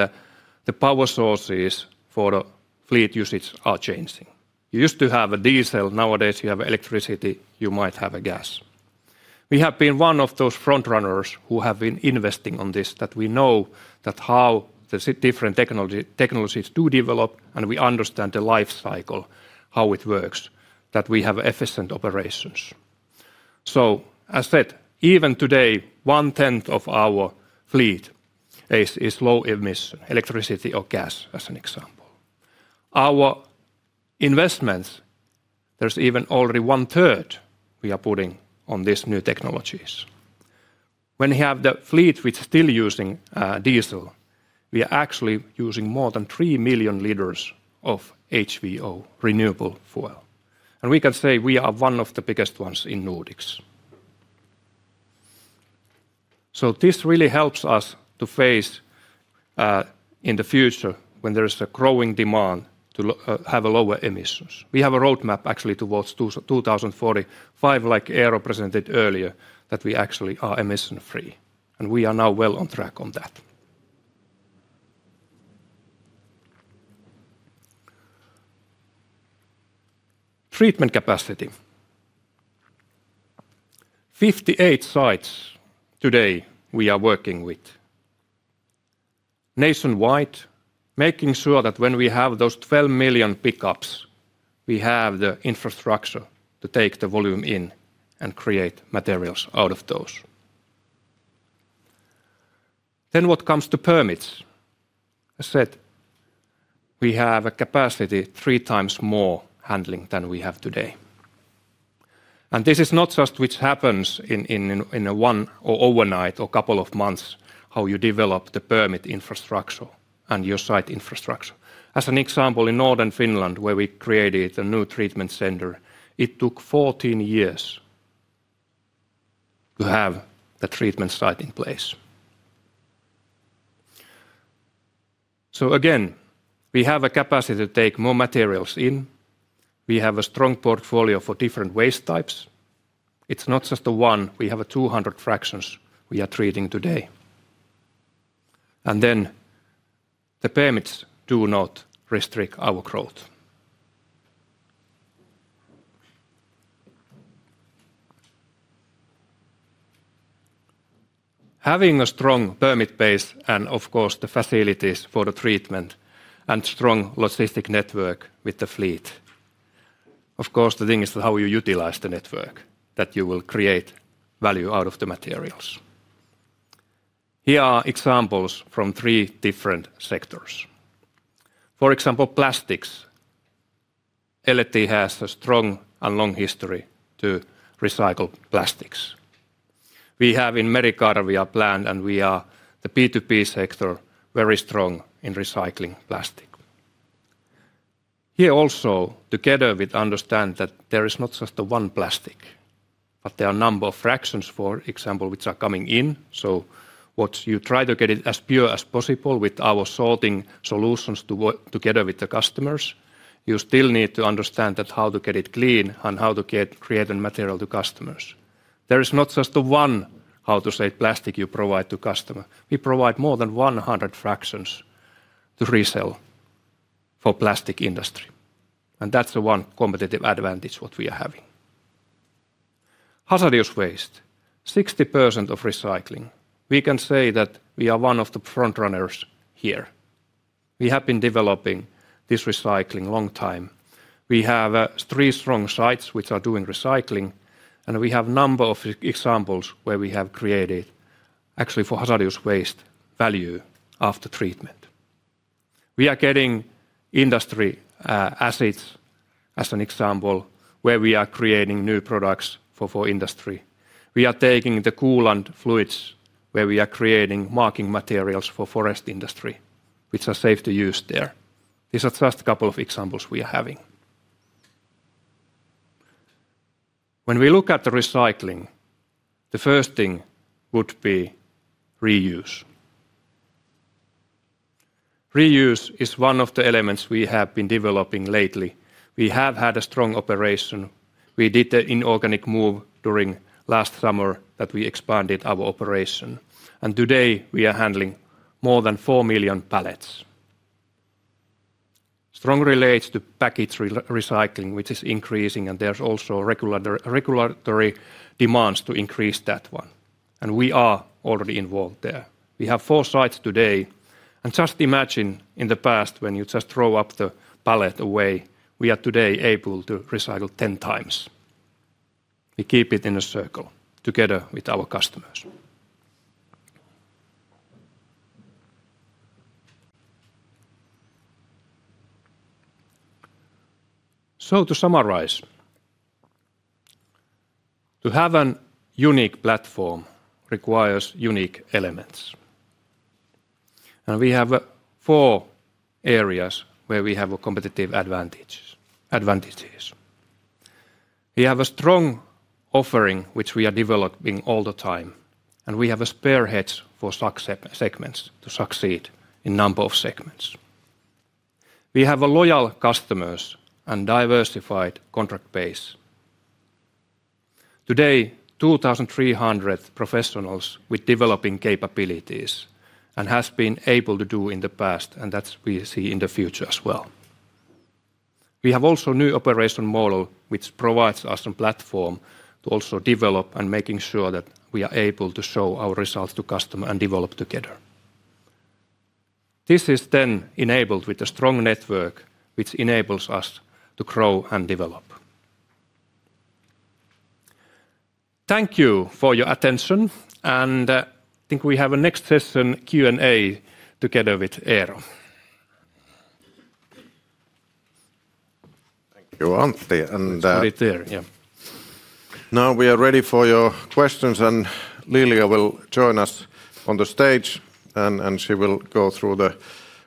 the power sources for the fleet usage are changing. You used to have a diesel, nowadays, you have electricity, you might have a gas. We have been one of those front runners who have been investing on this, that we know that how different technologies do develop, and we understand the life cycle, how it works, that we have efficient operations. As said, even today, one-tenth of our fleet is low emission, electricity or gas, as an example. Our investments, there's even already one-third we are putting on these new technologies. When we have the fleet, we're still using diesel, we are actually using more than 3 million liters of HVO renewable fuel. We can say we are one of the biggest ones in Nordics. This really helps us to face in the future when there is a growing demand to have lower emissions. We have a roadmap actually towards 2045, like Eero presented earlier, that we actually are emission-free, and we are now well on track on that. Treatment capacity. 58 sites today we are working with nationwide, making sure that when we have those 12 million pick-ups, we have the infrastructure to take the volume in and create materials out of those. What comes to permits? I said we have a capacity 3x more handling than we have today. This is not just which happens in a one or overnight or couple of months, how you develop the permit infrastructure and your site infrastructure. As an example, in northern Finland, where we created a new treatment center, it took 14 years to have the treatment site in place. Again, we have a capacity to take more materials in. We have a strong portfolio for different waste types. It's not just the one, we have 200 fractions we are treating today. The permits do not restrict our growth. Having a strong permit base, of course, the facilities for the treatment, and strong logistic network with the fleet, of course, the thing is how you utilize the network that you will create value out of the materials. Here are examples from three different sectors. For example, plastics. L&T has a strong and long history to recycle plastics. We have in Merikarvia plant. We are the B2B sector, very strong in recycling plastic. Here also, together with understand that there is not just the one plastic, but there are a number of fractions, for example, which are coming in. What you try to get it as pure as possible with our sorting solutions to work together with the customers, you still need to understand that how to get it clean and how to create a material to customers. There is not just the one, how to say, plastic you provide to customer. We provide more than 100 fractions to resell for plastic industry. That's the one competitive advantage what we are having. Hazardous waste, 60% of recycling. We can say that we are one of the front runners here. We have been developing this recycling long time. We have three strong sites which are doing recycling, and we have number of examples where we have created actually for hazardous waste value after treatment. We are getting industry assets as an example, where we are creating new products for industry. We are taking the coolant fluids, where we are creating marking materials for forest industry, which are safe to use there. These are just a couple of examples we are having. We look at the recycling, the first thing would be reuse. Reuse is one of the elements we have been developing lately. We have had a strong operation. We did the inorganic move during last summer that we expanded our operation. Today we are handling more than 4 million pallets. Strong relates to package re-recycling, which is increasing. There's also regulatory demands to increase that one. We are already involved there. We have four sites today. Just imagine in the past, when you just throw up the pallet away, we are today able to recycle 10x. We keep it in a circle together with our customers. To summarize, to have an unique platform requires unique elements, and we have four areas where we have competitive advantages. We have a strong offering, which we are developing all the time, and we have spearhead segments, to succeed in number of segments. We have a loyal customers and diversified contract base. Today, 2,300 professionals with developing capabilities and has been able to do in the past, and that we see in the future as well. We have also new operation model, which provides us some platform to also develop and making sure that we are able to show our results to customer and develop together. This is then enabled with a strong network, which enables us to grow and develop. Thank you for your attention, and, I think we have a next session, Q&A, together with Eero. Thank you, Antti. Put it there, yeah. Now we are ready for your questions, and Lilia will join us on the stage, and she will go through the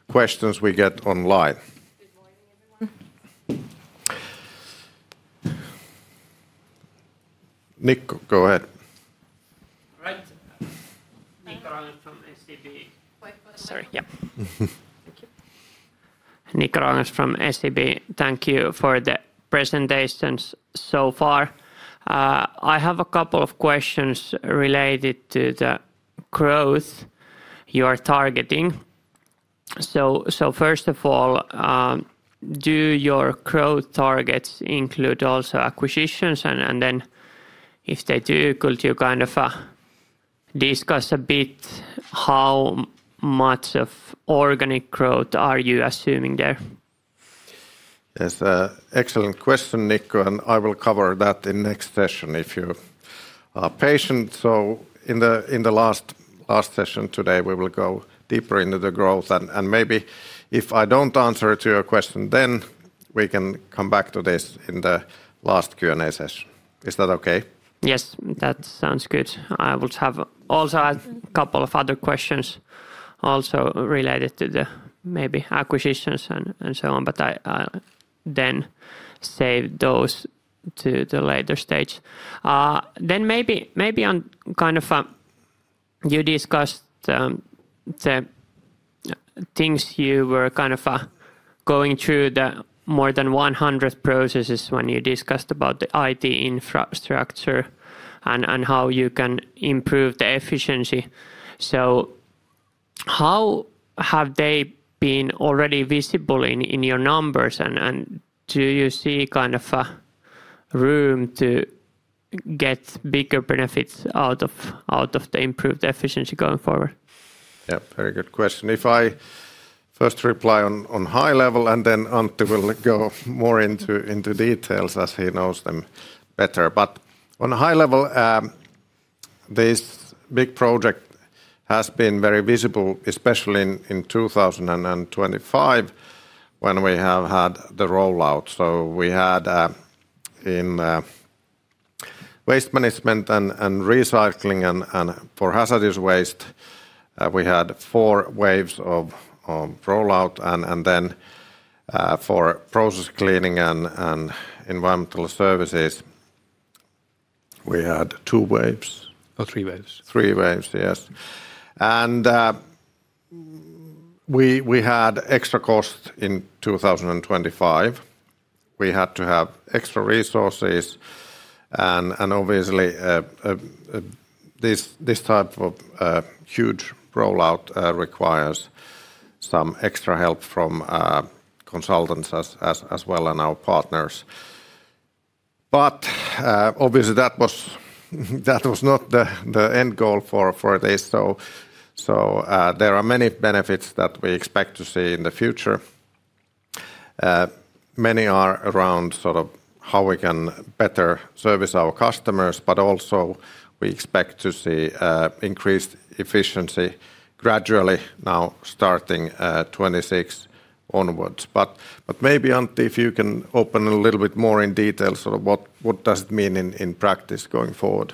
questions we get online. Good morning, everyone. Nikko, go ahead. All right. Nikko Ruokangas from SEB. Sorry, yeah. Thank you. Nikko Ruokangas from SEB. Thank you for the presentations so far. I have a couple of questions related to the growth you are targeting. First of all, do your growth targets include also acquisitions? Then if they do, could you kind of, discuss a bit how much of organic growth are you assuming there? Yes, excellent question, Nikko, and I will cover that in next session, if you are patient. In the last session today, we will go deeper into the growth, and maybe if I don't answer to your question, then we can come back to this in the last Q&A session. Is that okay? Yes, that sounds good. I would have also a couple of other questions also related to the maybe acquisitions and so on, but I then save those to the later stage. Maybe, maybe on kind of you discussed the things you were kind of going through the more than 100 processes when you discussed about the IT infrastructure and how you can improve the efficiency. How have they been already visible in your numbers? Do you see kind of a room to get bigger benefits out of the improved efficiency going forward? Yeah, very good question. If I first reply on high level, then Antti will go more into details, as he knows them better. On a high level, this big project has been very visible, especially in 2025, when we have had the rollout. We had in waste management and recycling and for hazardous waste, we had four waves of rollout. Then for process cleaning and environmental services, we had two waves? Three waves. Three waves, yes. We had extra cost in 2025. We had to have extra resources, and obviously, this type of huge rollout requires some extra help from consultants as well, and our partners. Obviously, that was not the end goal for this. There are many benefits that we expect to see in the future. Many are around sort of how we can better service our customers, but also we expect to see increased efficiency gradually now, starting at 26 onwards. Maybe, Antti, if you can open a little bit more in detail, sort of what does it mean in practice going forward?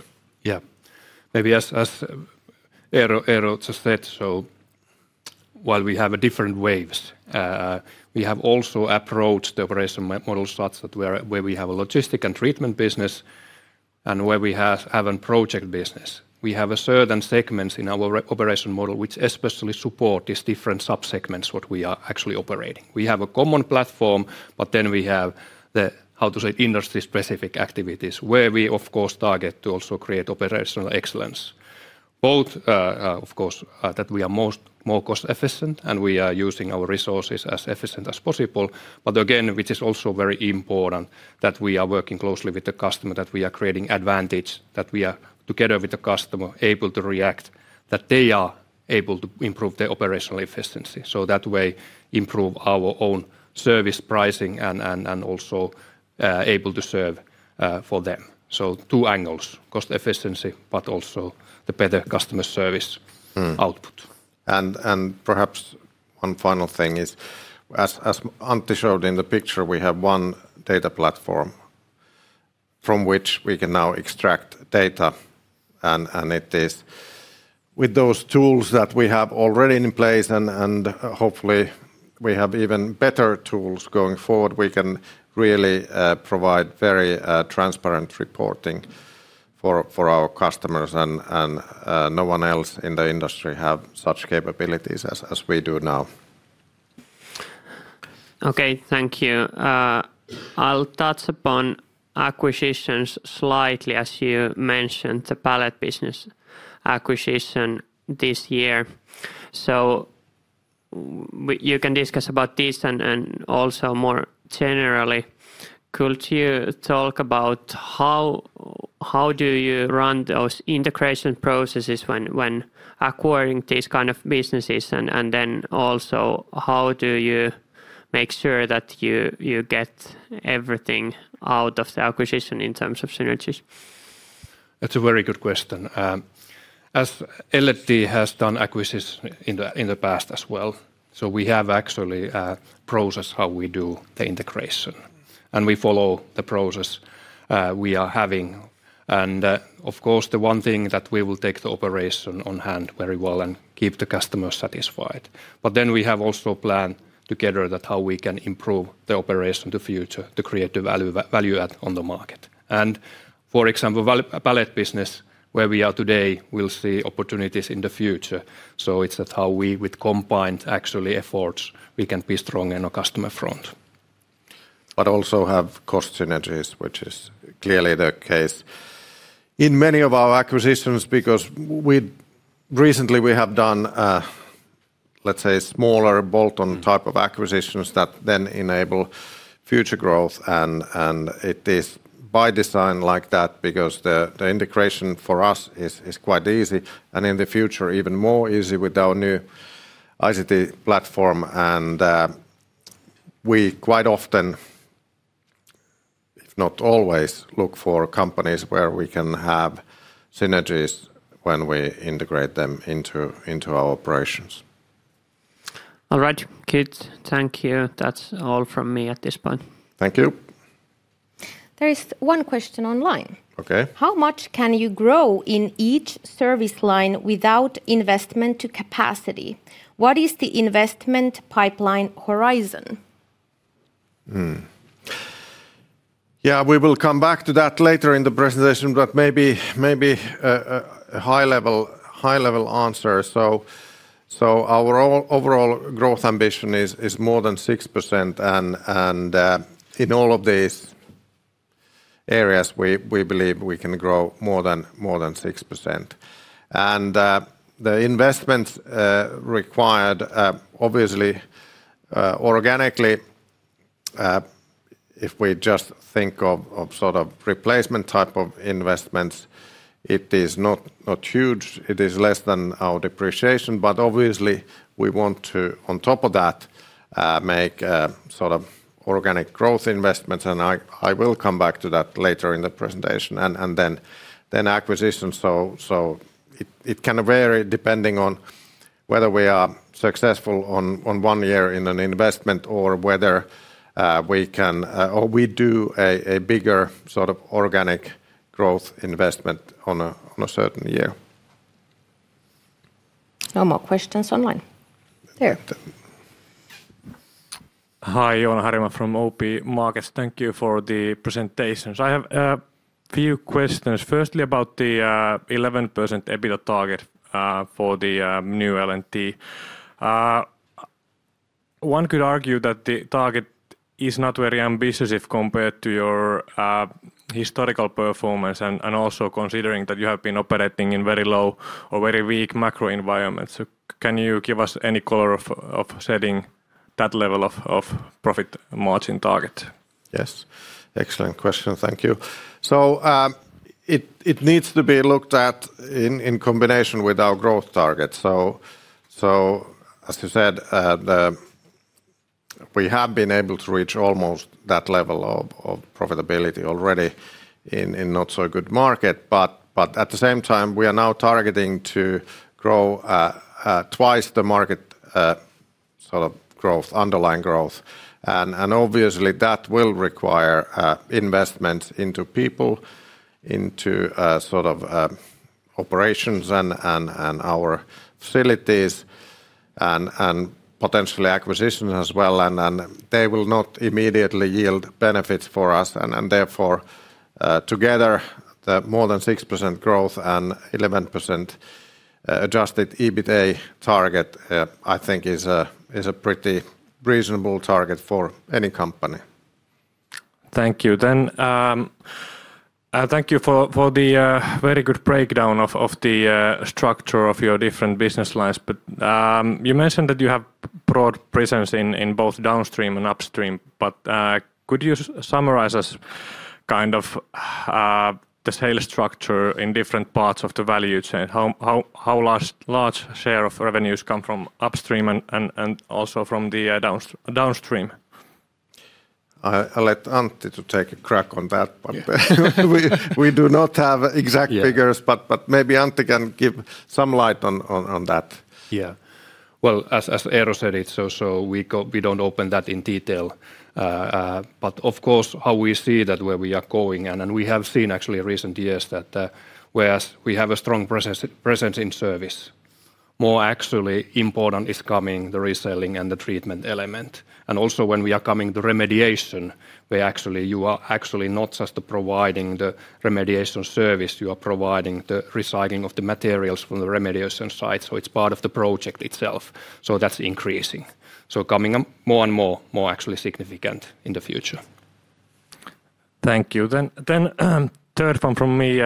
Maybe as Eero just said, while we have different waves, we have also approached the operation model such that where we have a logistic and treatment business and where we have a project business. We have certain segments in our operation model, which especially support these different sub-segments, what we are actually operating. We have a common platform, we have the, how to say, industry-specific activities, where we, of course, target to also create operational excellence. Both, of course, that we are more cost-efficient, we are using our resources as efficient as possible. Again, which is also very important, that we are working closely with the customer, that we are creating advantage, that we are, together with the customer, able to react, that they are able to improve their operational efficiency, so that way improve our own service pricing and also able to serve for them. Two angles: cost efficiency, but also the better customer service. Mm... output. Perhaps one final thing is, as Antti showed in the picture, we have one data platform from which we can now extract data, it is with those tools that we have already in place, hopefully we have even better tools going forward, we can really provide very transparent reporting for our customers. No one else in the industry have such capabilities as we do now. Okay, thank you. I'll touch upon acquisitions slightly. As you mentioned, the pallet business acquisition this year. You can discuss about this and also more generally, could you talk about how do you run those integration processes when acquiring these kind of businesses? Then also, how do you make sure that you get everything out of the acquisition in terms of synergies? That's a very good question. As L&T has done acquisitions in the, in the past as well, we have actually a process how we do the integration, and we follow the process we are having. Of course, the one thing that we will take the operation on hand very well and keep the customer satisfied. We have also planned together that how we can improve the operation in the future to create the value add on the market. For example, pallet business, where we are today, we'll see opportunities in the future. It's that how we, with combined actually efforts, we can be strong in our customer front. Also have cost synergies, which is clearly the case in many of our acquisitions, because Recently, we have done, let's say, smaller bolt-on type of acquisitions that then enable future growth, and it is by design like that because the integration for us is quite easy, and in the future, even more easy with our new ICT platform. We quite often, if not always, look for companies where we can have synergies when we integrate them into our operations. All right, good. Thank you. That's all from me at this point. Thank you. There is one question online. Okay. How much can you grow in each service line without investment to capacity? What is the investment pipeline horizon? We will come back to that later in the presentation, but maybe a high-level, high-level answer. Our overall growth ambition is more than 6%, and in all of these areas, we believe we can grow more than 6%. The investments required obviously organically, if we just think of sort of replacement type of investments, it is not huge. It is less than our depreciation, but obviously we want to, on top of that, make sort of organic growth investments, and I will come back to that later in the presentation. Then acquisitions, it can vary depending on whether we are successful on one year in an investment or whether we can. We do a bigger sort of organic growth investment on a certain year. No more questions online. There. Hi, Joona Harjama from OP Markets. Thank you for the presentations. I have few questions. Firstly, about the 11% EBITDA target for the New L&T. One could argue that the target is not very ambitious if compared to your historical performance and also considering that you have been operating in very low or very weak macro environment. Can you give us any color of setting that level of profit margin target? Yes. Excellent question. Thank you. It needs to be looked at in combination with our growth target. As you said, we have been able to reach almost that level of profitability already in not so good market, but at the same time, we are now targeting to grow twice the market sort of growth, underlying growth. Obviously, that will require investment into people, into sort of operations and our facilities, and potentially acquisition as well. They will not immediately yield benefits for us, therefore, together, the more than 6% growth and 11% adjusted EBITA target, I think is a pretty reasonable target for any company. Thank you. Thank you for the very good breakdown of the structure of your different business lines. You mentioned that you have broad presence in both downstream and upstream, could you summarize as kind of the sale structure in different parts of the value chain? How large share of revenues come from upstream and also from the downstream? I let Antti to take a crack on that one. Yeah. We do not have exact figures. Yeah maybe Antti can give some light on that. Well, as Eero said it, so we don't open that in detail. Of course, how we see that where we are going, and we have seen actually recent years that, whereas we have a strong presence in service, more actually important is coming the reselling and the treatment element. Also when we are coming to remediation, you are actually not just providing the remediation service, you are providing the recycling of the materials from the remediation site, so it's part of the project itself, so that's increasing. Coming up more and more actually significant in the future. Thank you. Third one from me,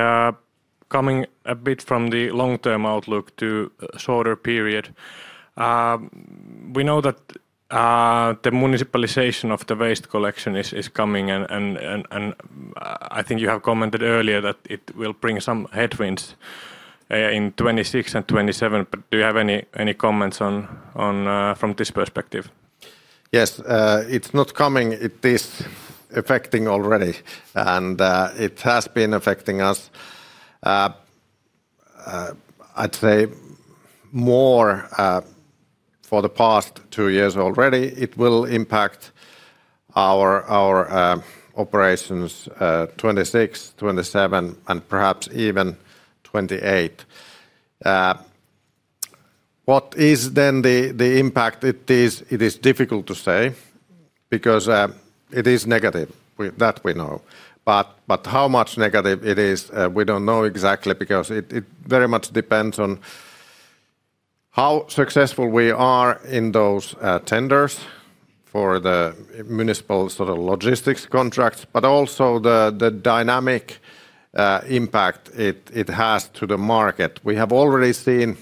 coming a bit from the long-term outlook to shorter period. We know that the municipalization of the waste collection is coming, and I think you have commented earlier that it will bring some headwinds in 2026 and 2027. Do you have any comments on from this perspective? Yes. It's not coming. It is affecting already, it has been affecting us, I'd say more, for the past two years already. It will impact our operations, 2026, 2027, and perhaps even 2028. What is then the impact? It is difficult to say, because it is negative. That we know. How much negative it is, we don't know exactly, because it very much depends on how successful we are in those tenders for the municipal sort of logistics contracts, but also the dynamic impact it has to the market. We have already seen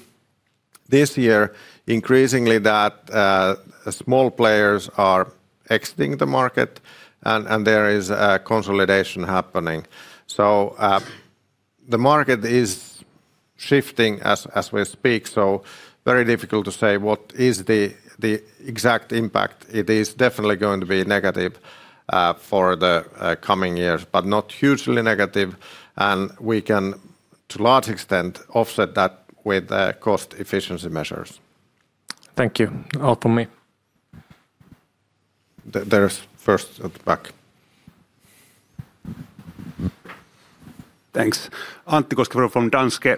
this year, increasingly, that small players are exiting the market, and there is a consolidation happening. The market is shifting as we speak, so very difficult to say what is the exact impact? It is definitely going to be negative for the coming years, but not hugely negative, and we can, to a large extent, offset that with cost efficiency measures. Thank you. All from me. There's first at the back. Thanks. Antti Koskivuori from Danske.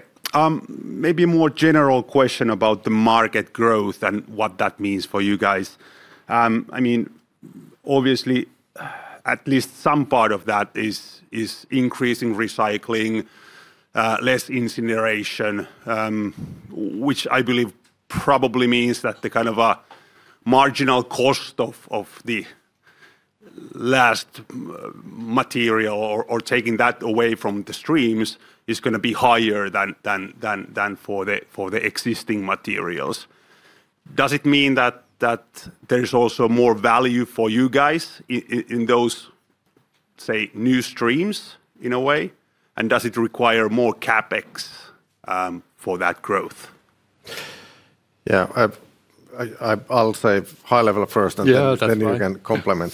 Maybe a more general question about the market growth and what that means for you guys. I mean, obviously, at least some part of that is increasing recycling, less incineration, which I believe probably means that the kind of marginal cost of the last material or taking that away from the streams is gonna be higher than for the existing materials. Does it mean that there's also more value for you guys in those, say, new streams, in a way? Does it require more CapEx for that growth? Yeah, I'll say high level first. Yeah, that's fine. then you can complement.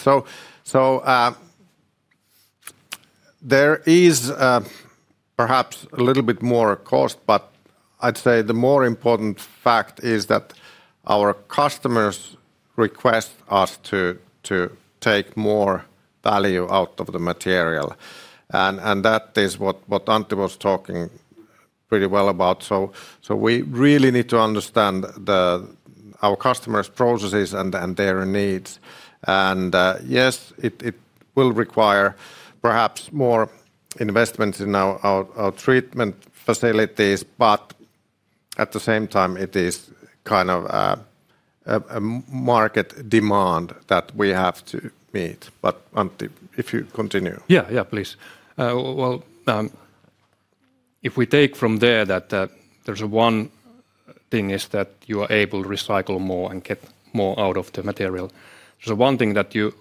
There is perhaps a little bit more cost, but I'd say the more important fact is that our customers request us to take more value out of the material, and that is what Antti was talking pretty well about. We really need to understand our customers' processes and their needs. Yes, it will require perhaps more investment in our treatment facilities, but at the same time, it is kind of a market demand that we have to meet. Antti, if you continue. Yeah, yeah, please. Well, if we take from there that there's one thing is that you are able to recycle more and get more out of the material. One thing that you,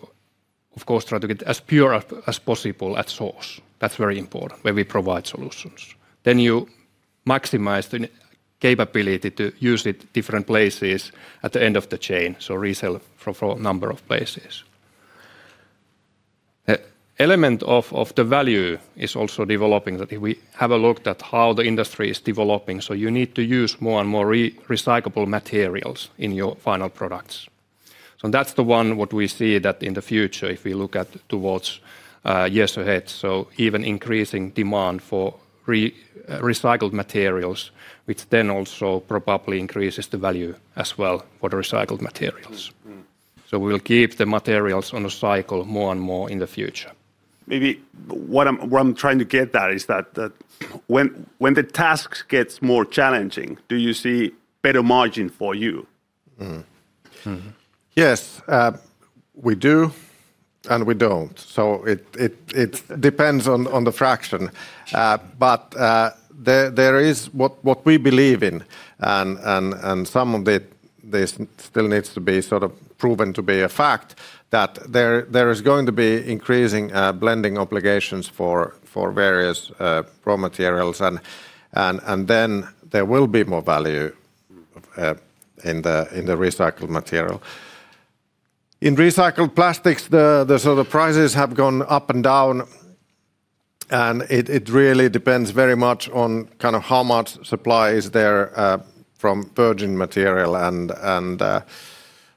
of course, try to get as pure as possible at source. That's very important when we provide solutions. You maximize the capability to use it different places at the end of the chain, so resell for a number of places. An element of the value is also developing, that we have a look at how the industry is developing. You need to use more and more recyclable materials in your final products, so that's the one what we see that in the future if we look at towards years ahead. Even increasing demand for recycled materials, which then also probably increases the value as well for the recycled materials. Mm-hmm. Mm-hmm. We'll keep the materials on a cycle more and more in the future. Maybe what I'm trying to get at is that when the tasks gets more challenging, do you see better margin for you? Mm. Mm-hmm. Yes, we do, and we don't. It depends on the fraction. But there is what we believe in, and some of it, this still needs to be sort of proven to be a fact, that there is going to be increasing blending obligations for various raw materials, and then there will be more value- Mm... in the recycled material. In recycled plastics, the sort of prices have gone up and down, and it really depends very much on kind of how much supply is there, from virgin material.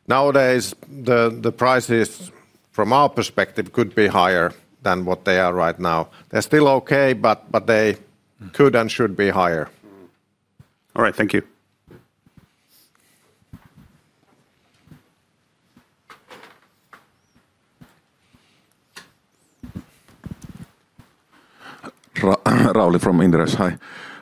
Nowadays, the prices, from our perspective, could be higher than what they are right now. They're still okay, but they could and should be higher. All right, thank you. Rauli from Inderes. Hi.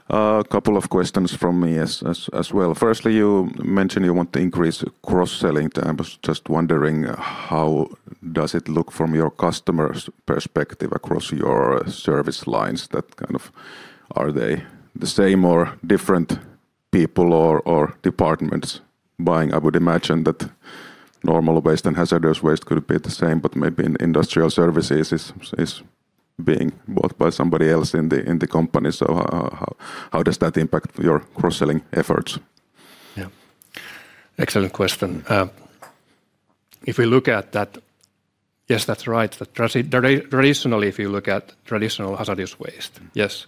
A couple of questions from me as well. Firstly, you mentioned you want to increase cross-selling. I was just wondering, how does it look from your customer's perspective across your service lines, that kind of, are they the same or different people or departments buying? I would imagine that normal waste and hazardous waste could be the same, but maybe in industrial services is being bought by somebody else in the company. How does that impact your cross-selling efforts? Yeah. Excellent question. If we look at that, yes, that's right. That traditionally, if you look at traditional hazardous waste, yes.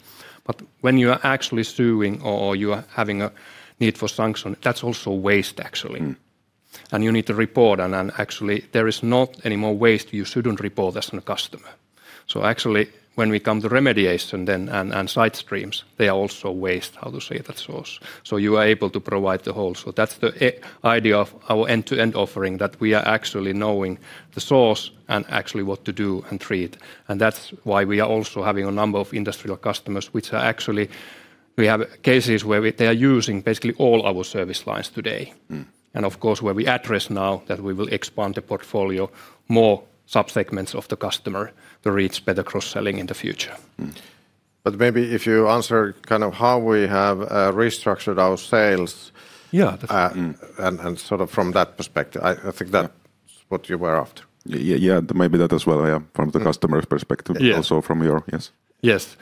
When you are actually suing or you are having a need for sanction, that's also waste actually. Mm You need to report on, actually there is not any more waste you shouldn't report as an customer. Actually, when we come to remediation then, and site streams, they are also waste, how to say that source. You are able to provide the whole. That's the idea of our end-to-end offering, that we are actually knowing the source and actually what to do and treat, and that's why we are also having a number of industrial customers which are actually. We have cases where they are using basically all our service lines today. Mm. Of course, where we address now that we will expand the portfolio, more sub-segments of the customer to reach better cross-selling in the future. Mm. maybe if you answer kind of how we have, restructured our sales- Yeah.... sort of from that perspective, I think that's what you were after. Yeah, yeah, maybe that as well. Yeah, from the customer's perspective. Yeah... also from your, yes. Yes.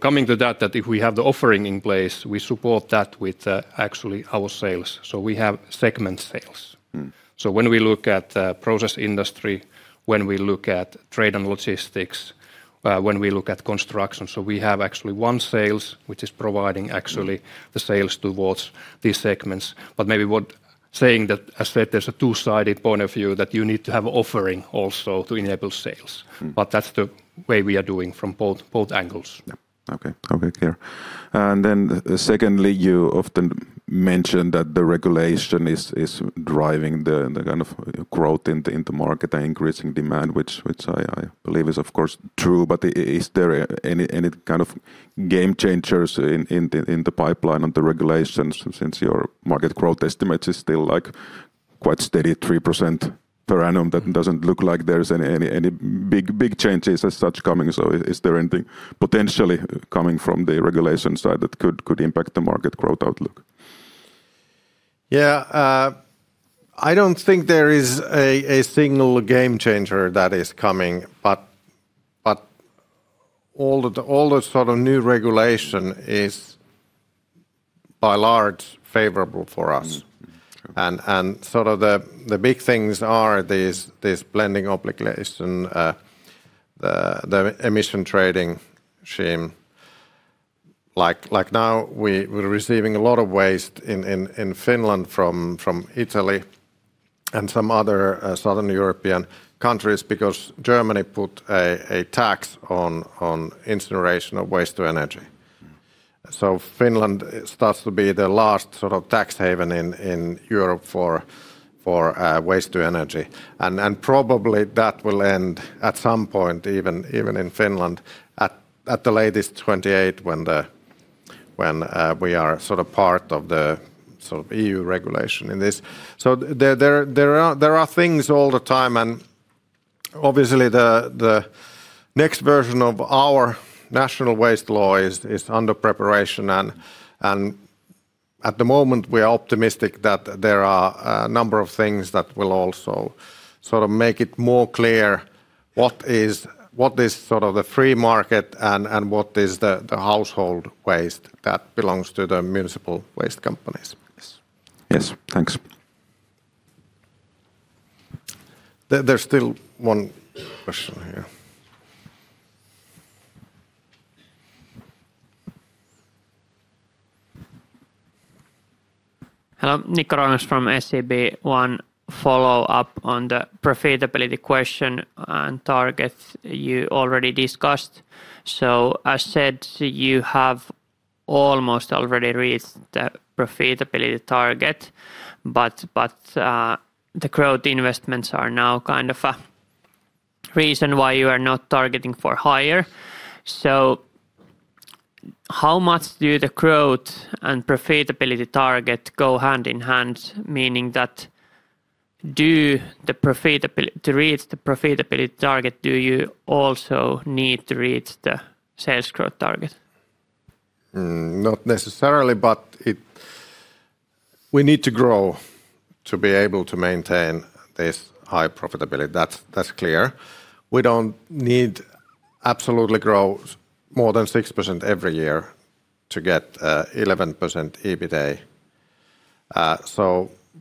Coming to that if we have the offering in place, we support that with, actually our sales, so we have segment sales. Mm. When we look at the process industry, when we look at trade and logistics, when we look at construction, so we have actually one sales, which is providing actually the sales towards these segments. But maybe what, saying that, as said, there's a two-sided point of view that you need to have offering also to enable sales. Mm. That's the way we are doing from both angles. Yeah. Okay. Okay, clear. Then secondly, you often mention that the regulation is driving the kind of growth in the market and increasing demand, which I believe is of course true, but is there any kind of game changers in the pipeline on the regulations since your market growth estimates is still, like, quite steady, 3% per annum? That doesn't look like there is any big changes as such coming. Is there anything potentially coming from the regulation side that could impact the market growth outlook? Yeah, I don't think there is a single game changer that is coming, but all the sort of new regulation is by and large favorable for us. Mm-hmm. Okay. Sort of the big things are this blending obligation, the Emissions Trading System. Like now, we're receiving a lot of waste in Finland from Italy and some other Southern European countries because Germany put a tax on incineration of waste to energy. Mm. Finland starts to be the last sort of tax haven in Europe for waste to energy. Probably that will end at some point, even in Finland at the latest, 2028, when we are sort of part of the sort of EU regulation in this. There are things all the time, and obviously, the next version of our national waste law is under preparation, and at the moment, we are optimistic that there are a number of things that will also sort of make it more clear what is sort of the free market and what is the household waste that belongs to the municipal waste companies. Yes. Thanks. There's still one question here. Hello. Nikko Ruokangas from SEB. One follow-up on the profitability question and targets you already discussed. As said, you have almost already reached the profitability target, but the growth investments are now kind of a reason why you are not targeting for higher. How much do the growth and profitability target go hand in hand, meaning that to reach the profitability target, do you also need to reach the sales growth target? Not necessarily, but we need to grow to be able to maintain this high profitability. That's clear. We don't need absolutely grow more than 6% every year to get 11% EBITA.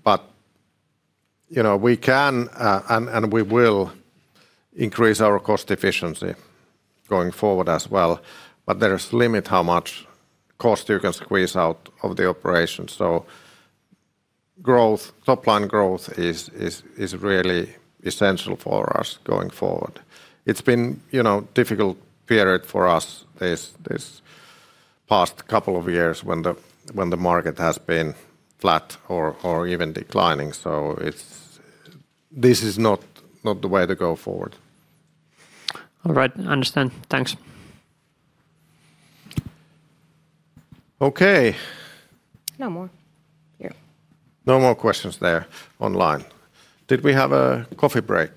But, you know, we can, and we will increase our cost efficiency going forward as well, but there is limit how much cost you can squeeze out of the operation. Growth, top-line growth is really essential for us going forward. It's been, you know, difficult period for us this past couple of years when the market has been flat or even declining. This is not the way to go forward. All right. I understand. Thanks. Okay. No more. Yeah. No more questions there online. Did we have a coffee break?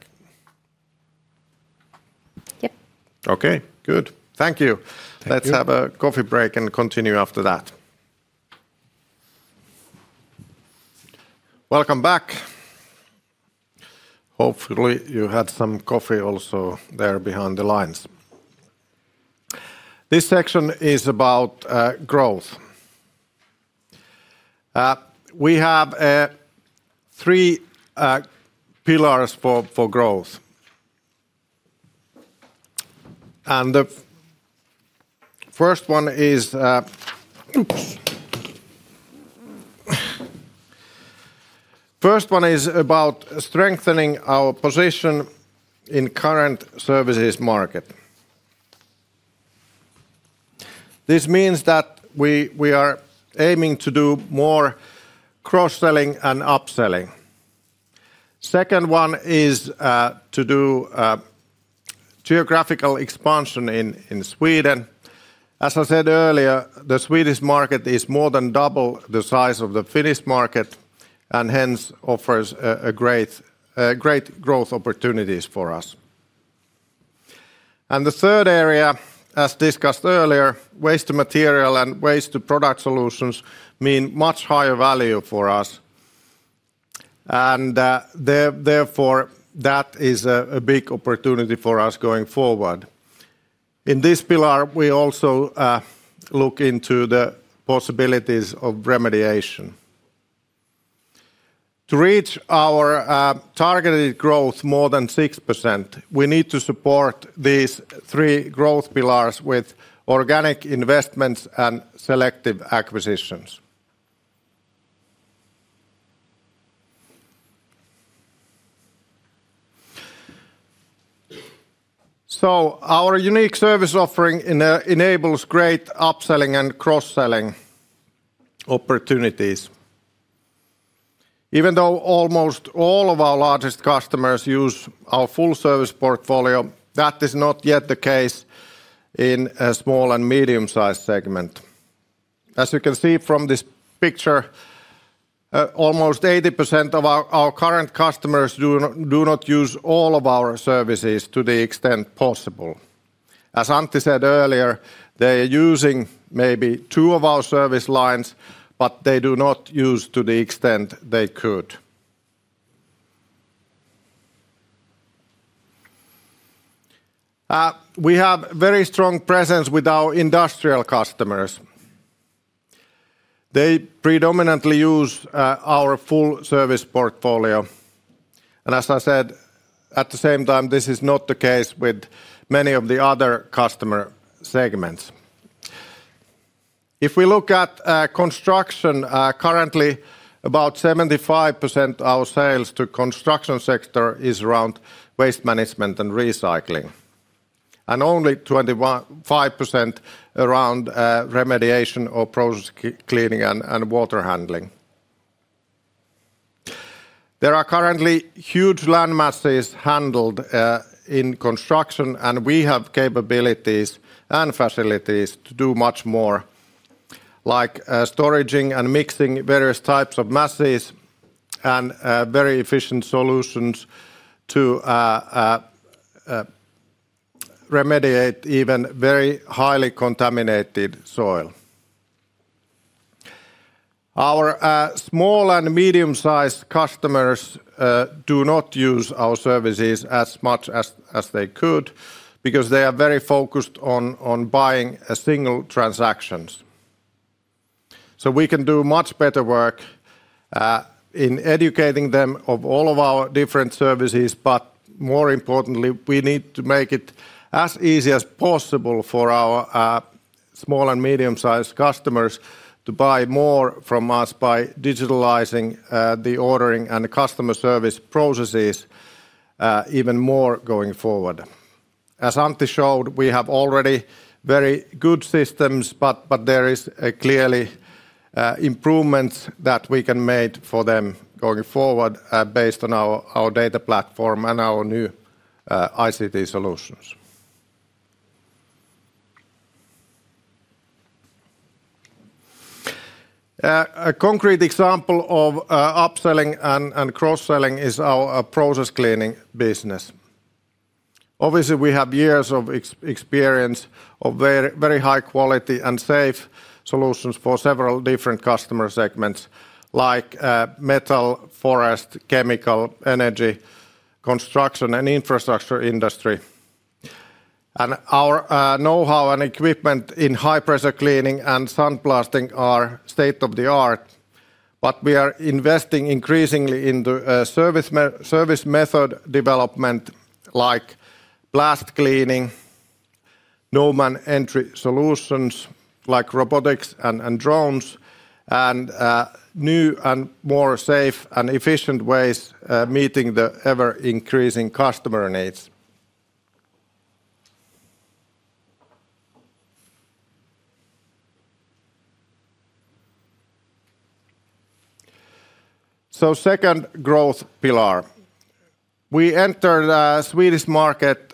Yep. Okay, good. Thank you. Thank you. Let's have a coffee break and continue after that. Welcome back. Hopefully, you had some coffee also there behind the lines. This section is about growth. We have three pillars for growth. The first one is about strengthening our position in current services market. This means that we are aiming to do more cross-selling and upselling. Second one is to do geographical expansion in Sweden. As I said earlier, the Swedish market is more than double the size of the Finnish market, and hence, offers a great growth opportunities for us. The third area, as discussed earlier, waste to material and waste to product solutions mean much higher value for us, and therefore, that is a big opportunity for us going forward. In this pillar, we also look into the possibilities of remediation. To reach our targeted growth more than 6%, we need to support these three growth pillars with organic investments and selective acquisitions. Our unique service offering enables great upselling and cross-selling opportunities. Even though almost all of our largest customers use our full service portfolio, that is not yet the case in a small and medium-sized segment. As you can see from this picture, almost 80% of our current customers do not use all of our services to the extent possible. As Antti said earlier, they are using maybe two of our service lines, but they do not use to the extent they could. We have very strong presence with our industrial customers. They predominantly use our full service portfolio, and as I said, at the same time, this is not the case with many of the other customer segments. If we look at construction, currently, about 75% our sales to construction sector is around waste management and recycling, and only 25% around remediation or process cleaning and water handling. There are currently huge land masses handled in construction, and we have capabilities and facilities to do much more, like storaging and mixing various types of masses and very efficient solutions to remediate even very highly contaminated soil. Our small and medium-sized customers do not use our services as much as they could because they are very focused on buying single transactions. We can do much better work in educating them of all of our different services, but more importantly, we need to make it as easy as possible for our small and medium-sized customers to buy more from us by digitalizing the ordering and the customer service processes even more going forward. As Antti showed, we have already very good systems, but there is clearly improvements that we can make for them going forward based on our data platform and our new ICT solutions. A concrete example of upselling and cross-selling is our process cleaning business. Obviously, we have years of experience of very, very high quality and safe solutions for several different customer segments, like metal, forest, chemical, energy, construction, and infrastructure industry. Our know-how and equipment in high-pressure cleaning and sandblasting are state-of-the-art, but we are investing increasingly in the service method development, like blast cleaning, no-man entry solutions, like robotics and drones, and new and more safe and efficient ways meeting the ever-increasing customer needs. Second growth pillar. We entered the Swedish market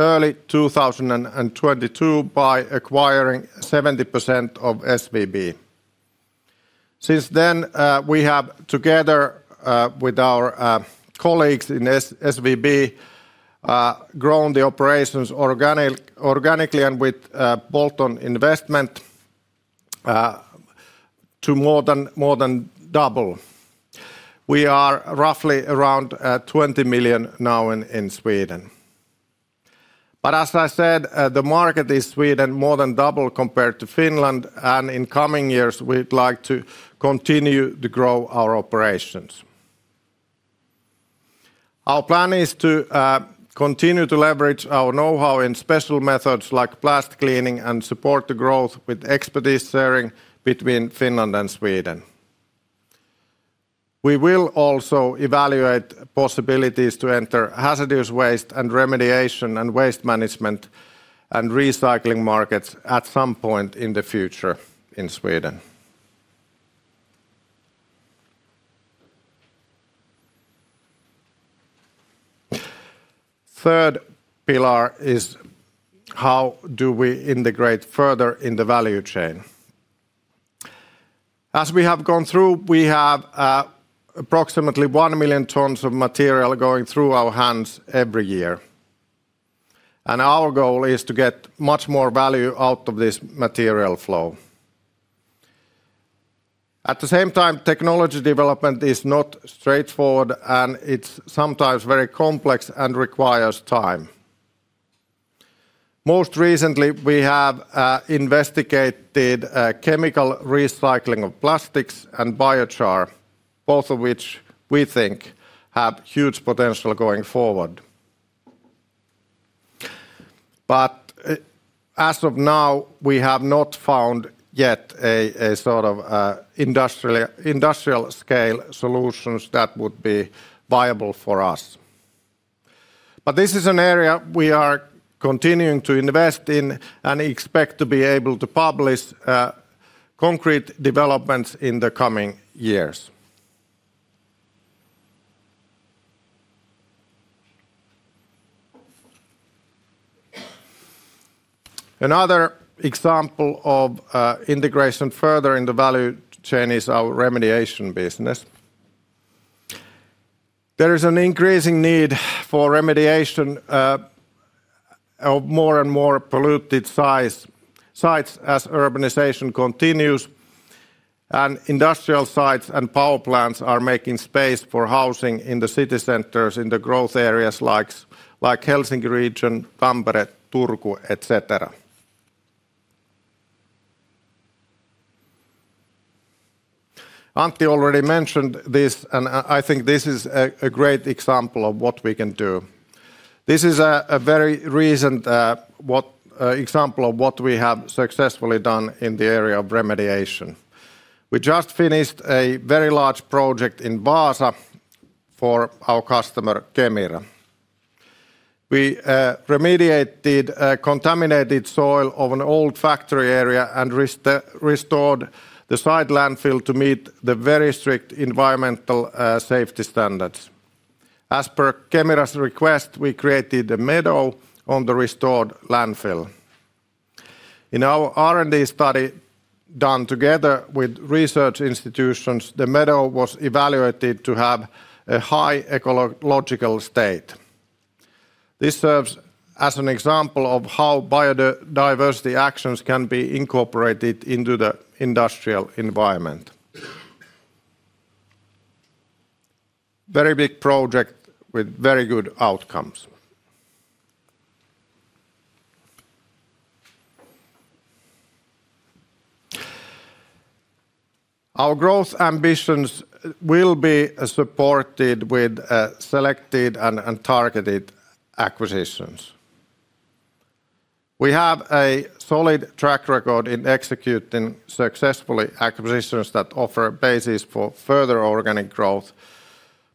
early 2022 by acquiring 70% of SVB. Since then, we have, together with our colleagues in SVB, grown the operations organically and with bolt-on investment to more than double. We are roughly around 20 million now in Sweden. As I said, the market in Sweden more than double compared to Finland, and in coming years, we'd like to continue to grow our operations. Our plan is to continue to leverage our know-how in special methods like blast cleaning and support the growth with expertise sharing between Finland and Sweden. We will also evaluate possibilities to enter hazardous waste and remediation and waste management and recycling markets at some point in the future in Sweden. Third pillar is, how do we integrate further in the value chain? As we have gone through, we have approximately 1 million tons of material going through our hands every year. Our goal is to get much more value out of this material flow. At the same time, technology development is not straightforward, and it's sometimes very complex and requires time. Most recently, we have investigated chemical recycling of plastics and biochar, both of which we think have huge potential going forward. As of now, we have not found yet a sort of industrial scale solutions that would be viable for us. This is an area we are continuing to invest in and expect to be able to publish concrete developments in the coming years. Another example of integration further in the value chain is our remediation business. There is an increasing need for remediation of more and more polluted sites as urbanization continues, and industrial sites and power plants are making space for housing in the city centers, in the growth areas like Helsinki region, Tampere, Turku, et cetera. Antti already mentioned this, and I think this is a great example of what we can do. This is a very recent example of what we have successfully done in the area of remediation. We just finished a very large project in Vaasa for our customer, Kemira. We remediated contaminated soil of an old factory area and restored the site landfill to meet the very strict environmental safety standards. As per Kemira's request, we created a meadow on the restored landfill. In our R&D study, done together with research institutions, the meadow was evaluated to have a high ecological state. This serves as an example of how biodiversity actions can be incorporated into the industrial environment. Very big project with very good outcomes. Our growth ambitions will be supported with selected and targeted acquisitions. We have a solid track record in executing successfully acquisitions that offer a basis for further organic growth.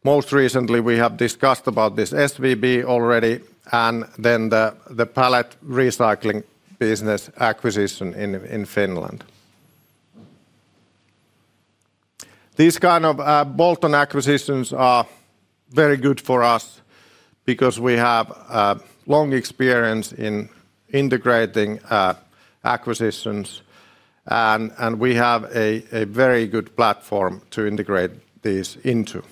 Most recently, we have discussed about this SVB already, and then the pallet recycling business acquisition in Finland. These kind of bolt-on acquisitions are very good for us because we have long experience in integrating acquisitions, and we have a very good platform to integrate these into.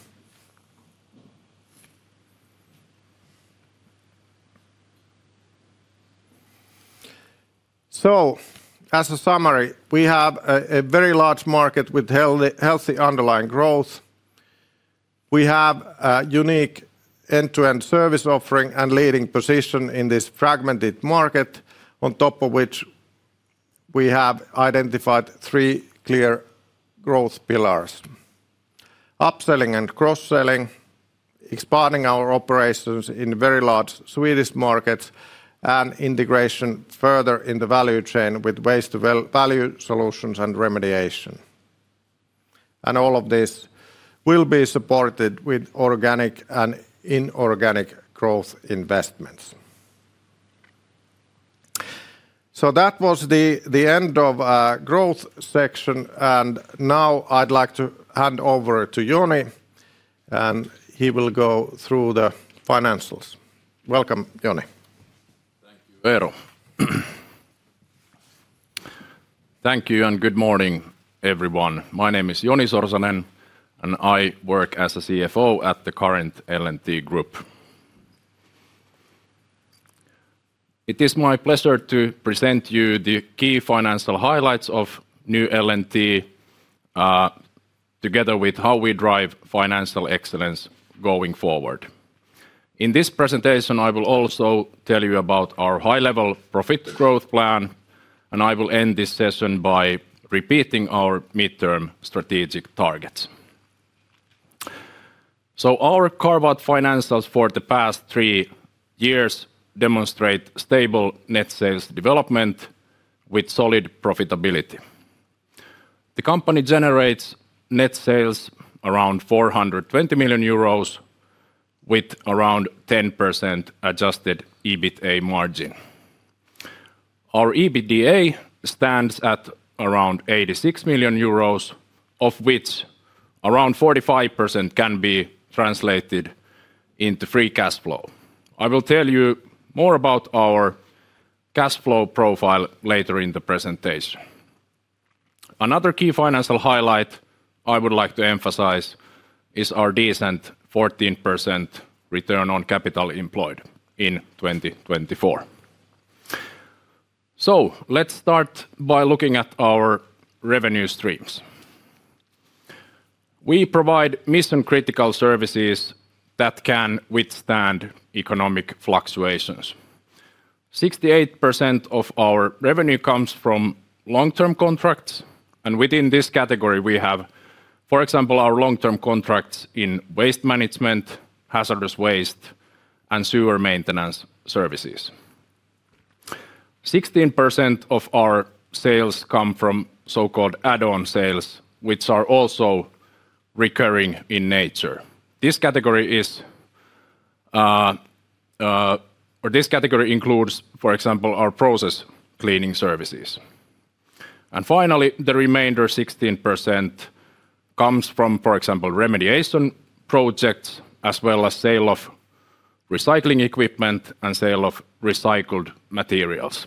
As a summary, we have a very large market with healthy underlying growth. We have a unique end-to-end service offering and leading position in this fragmented market, on top of which we have identified three clear growth pillars: up-selling and cross-selling, expanding our operations in very large Swedish markets, and integration further in the value chain with waste value solutions and remediation. All of this will be supported with organic and inorganic growth investments. That was the end of our growth section, and now I'd like to hand over to Joni, and he will go through the financials. Welcome, Joni. Thank you, Eero. Thank you, and good morning, everyone. My name is Joni Sorsanen, and I work as a CFO at the current L&T Group. It is my pleasure to present you the key financial highlights of New L&T, together with how we drive financial excellence going forward. In this presentation, I will also tell you about our high-level profit growth plan, and I will end this session by repeating our midterm strategic targets. Our carve-out financials for the past three years demonstrate stable net sales development with solid profitability. The company generates net sales around 420 million euros, with around 10% adjusted EBITA margin. Our EBITDA stands at around 86 million euros, of which around 45% can be translated into free cash flow. I will tell you more about our cash flow profile later in the presentation. Another key financial highlight I would like to emphasize is our decent 14% return on capital employed in 2024. Let's start by looking at our revenue streams. We provide mission-critical services that can withstand economic fluctuations. 68% of our revenue comes from long-term contracts, and within this category, for example, our long-term contracts in waste management, hazardous waste, and sewer maintenance services. 16% of our sales come from so-called add-on sales, which are also recurring in nature. This category includes, for example, our process cleaning services. Finally, the remainder 16% comes from, for example, remediation projects, as well as sale of recycling equipment and sale of recycled materials.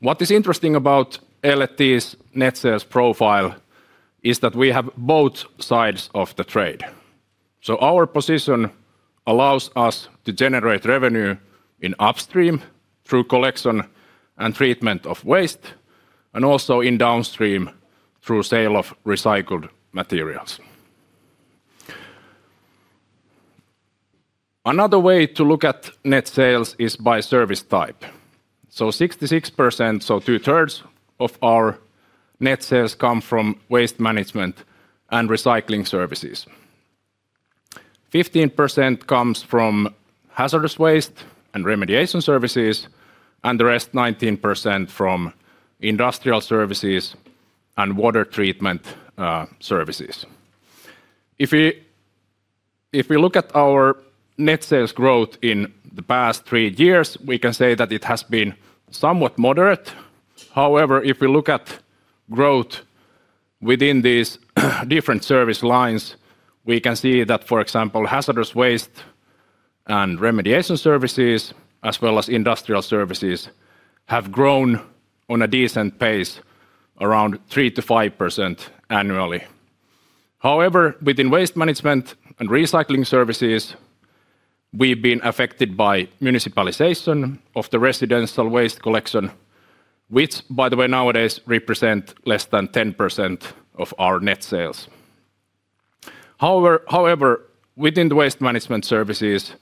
What is interesting about L&T's net sales profile is that we have both sides of the trade. Our position allows us to generate revenue in upstream through collection and treatment of waste, and also in downstream through sale of recycled materials. Another way to look at net sales is by service type. 66%, 2/3 of our net sales, come from waste management and recycling services. 15% comes from hazardous waste and remediation services, and the rest, 19%, from industrial services and water treatment services. If we look at our net sales growth in the past three years, we can say that it has been somewhat moderate. However, if we look at growth within these different service lines, we can see that, for example, hazardous waste and remediation services, as well as industrial services, have grown on a decent pace around 3%-5% annually. Within waste management and recycling services, we've been affected by municipalization of the residential waste collection, which, by the way, nowadays represent less than 10% of our net sales. Within the waste management services,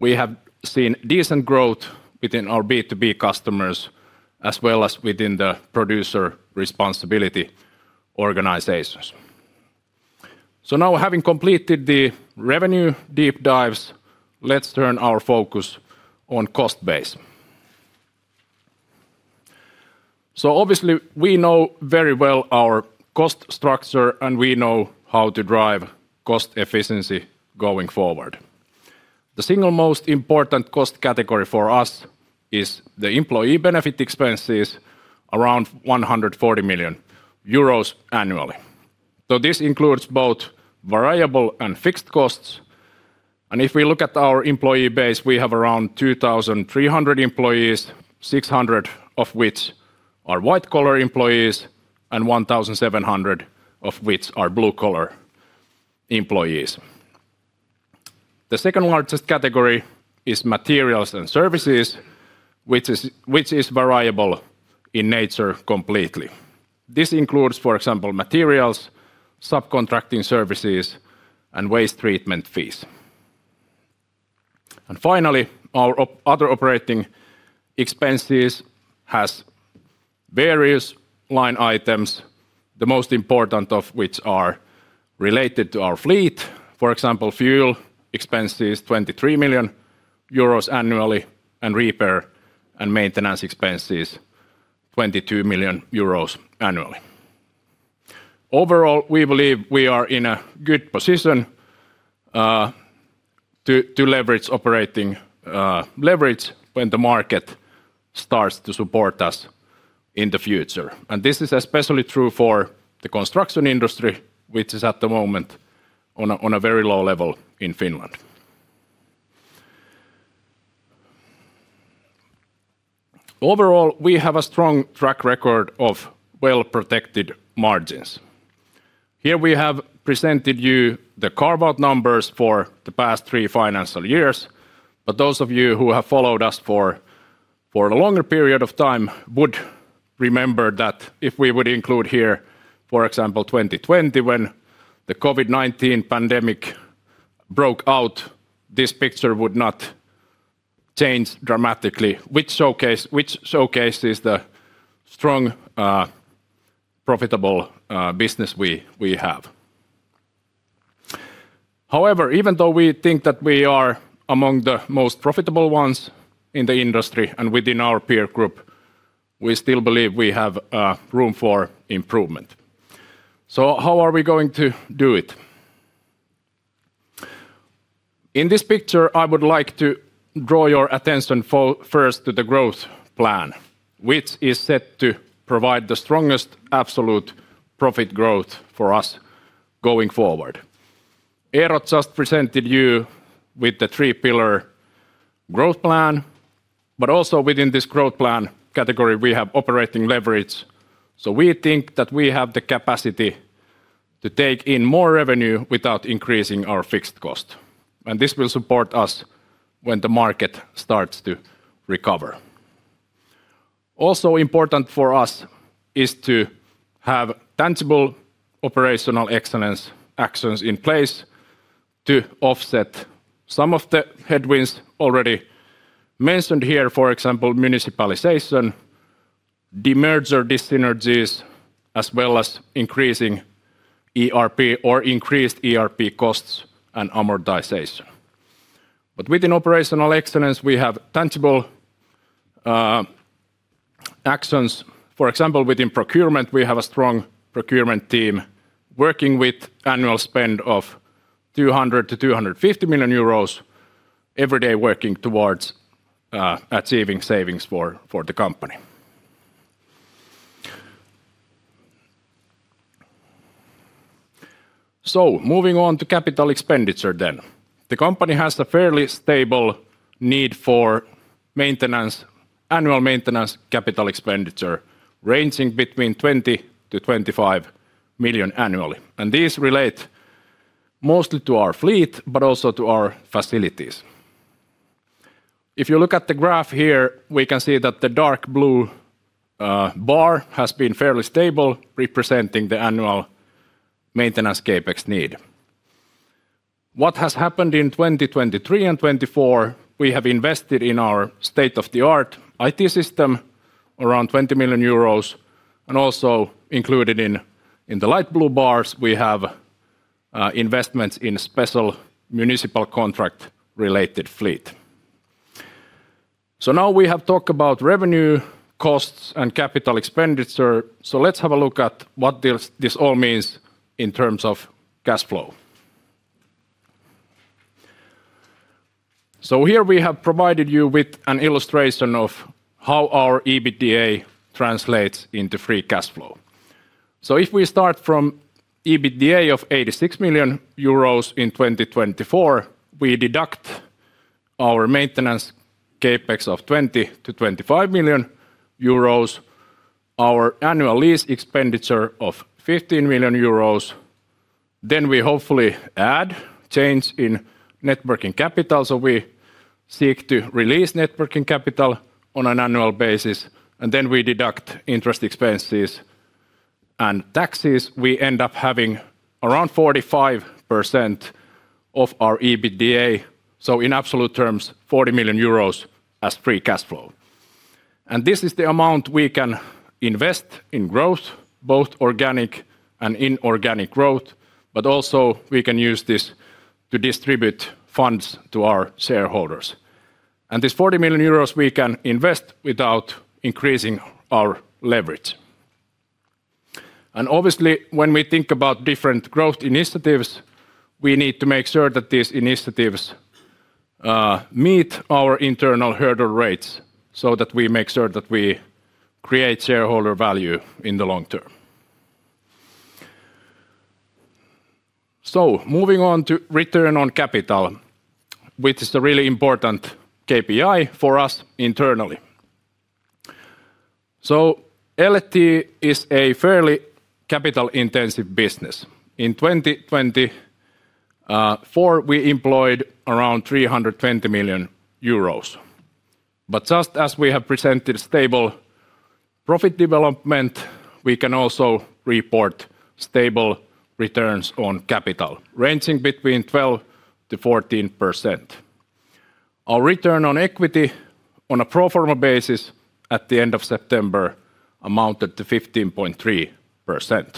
we have seen decent growth within our B2B customers, as well as within the producer responsibility organizations. Now, having completed the revenue deep dives, let's turn our focus on cost base. Obviously, we know very well our cost structure, and we know how to drive cost efficiency going forward. The single most important cost category for us is the employee benefit expenses, around 140 million euros annually. This includes both variable and fixed costs, and if we look at our employee base, we have around 2,300 employees, 600 of which are white-collar employees, and 1,700 of which are blue-collar employees. The second largest category is materials and services, which is variable in nature completely. This includes, for example, materials, subcontracting services, and waste treatment fees. Finally, our other operating expenses has various line items, the most important of which are related to our fleet, for example, fuel expenses, 23 million euros annually, and repair and maintenance expenses, 22 million euros annually. Overall, we believe we are in a good position to leverage operating leverage when the market starts to support us in the future. This is especially true for the construction industry, which is at the moment on a very low level in Finland. Overall, we have a strong track record of well-protected margins. Here, we have presented you the carve-out numbers for the past three financial years. Those of you who have followed us for a longer period of time would remember that if we would include here, for example, 2020, when the COVID-19 pandemic broke out, this picture would not change dramatically, which showcases the strong, profitable business we have. However, even though we think that we are among the most profitable ones in the industry and within our peer group, we still believe we have room for improvement. How are we going to do it? In this picture, I would like to draw your attention first to the growth plan, which is set to provide the strongest absolute profit growth for us going forward. Eero just presented you with the three-pillar growth plan. Also within this growth plan category, we have operating leverage. We think that we have the capacity to take in more revenue without increasing our fixed cost. This will support us when the market starts to recover. Also important for us is to have tangible operational excellence actions in place. To offset some of the headwinds already mentioned here, for example, municipalization, demerger dyssynergies, as well as increasing ERP or increased ERP costs and amortization. Within operational excellence, we have tangible actions. For example, within procurement, we have a strong procurement team working with annual spend of 200 million-250 million euros, every day working towards achieving savings for the company. Moving on to capital expenditure then. The company has a fairly stable need for maintenance, annual maintenance, capital expenditure, ranging between 20 million-25 million annually. These relate mostly to our fleet, but also to our facilities. If you look at the graph here, we can see that the dark blue bar has been fairly stable, representing the annual maintenance CapEx need. What has happened in 2023 and 2024, we have invested in our state-of-the-art IT system, around 20 million euros, and also included in the light blue bars, we have investments in special municipal contract-related fleet. Now we have talked about revenue, costs, and capital expenditure. Let's have a look at what this all means in terms of cash flow. Here we have provided you with an illustration of how our EBITDA translates into free cash flow. If we start from EBITDA of 86 million euros in 2024, we deduct our maintenance CapEx of 20 million-25 million euros, our annual lease expenditure of 15 million euros, we hopefully add change in net working capital. We seek to release net working capital on an annual basis, we deduct interest expenses and taxes. We end up having around 45% of our EBITDA, in absolute terms, 40 million euros as free cash flow. This is the amount we can invest in growth, both organic and inorganic growth, we can use this to distribute funds to our shareholders. This 40 million euros we can invest without increasing our leverage. Obviously, when we think about different growth initiatives, we need to make sure that these initiatives meet our internal hurdle rates so that we make sure that we create shareholder value in the long term. Moving on to return on capital, which is a really important KPI for us internally. L&T is a fairly capital-intensive business. In 2024, we employed around 320 million euros. Just as we have presented stable profit development, we can also report stable returns on capital, ranging between 12%-14%. Our return on equity on a pro forma basis at the end of September amounted to 15.3%.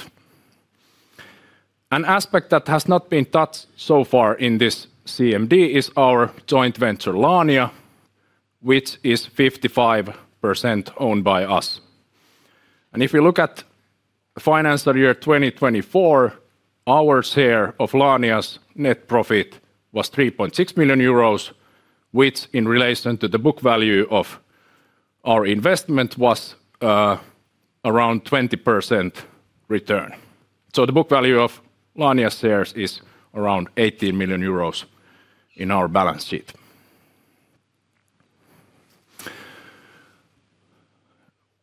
An aspect that has not been touched so far in this CMD is our joint venture, Laania, which is 55% owned by us. If you look at financial year 2024, our share of Laania's net profit was 3.6 million euros, which in relation to the book value of our investment was around 20% return. The book value of Laania shares is around 18 million euros in our balance sheet.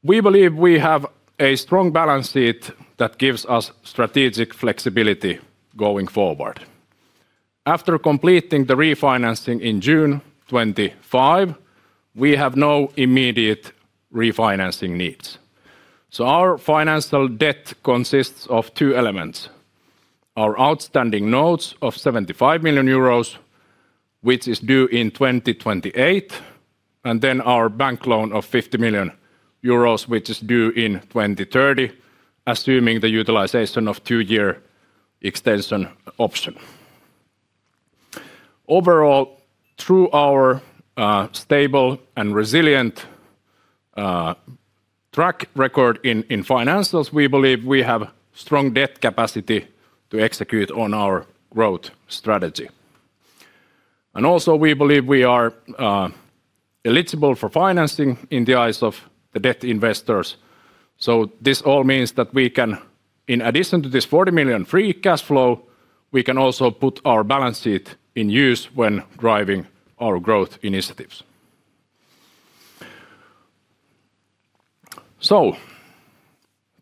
We believe we have a strong balance sheet that gives us strategic flexibility going forward. After completing the refinancing in June 2025, we have no immediate refinancing needs. Our financial debt consists of two elements: our outstanding notes of 75 million euros, which is due in 2028, and then our bank loan of 50 million euros, which is due in 2030, assuming the utilization of two-year extension option. Overall, through our stable and resilient track record in financials, we believe we have strong debt capacity to execute on our growth strategy. Also, we believe we are eligible for financing in the eyes of the debt investors. This all means that we can, in addition to this 40 million free cash flow, we can also put our balance sheet in use when driving our growth initiatives.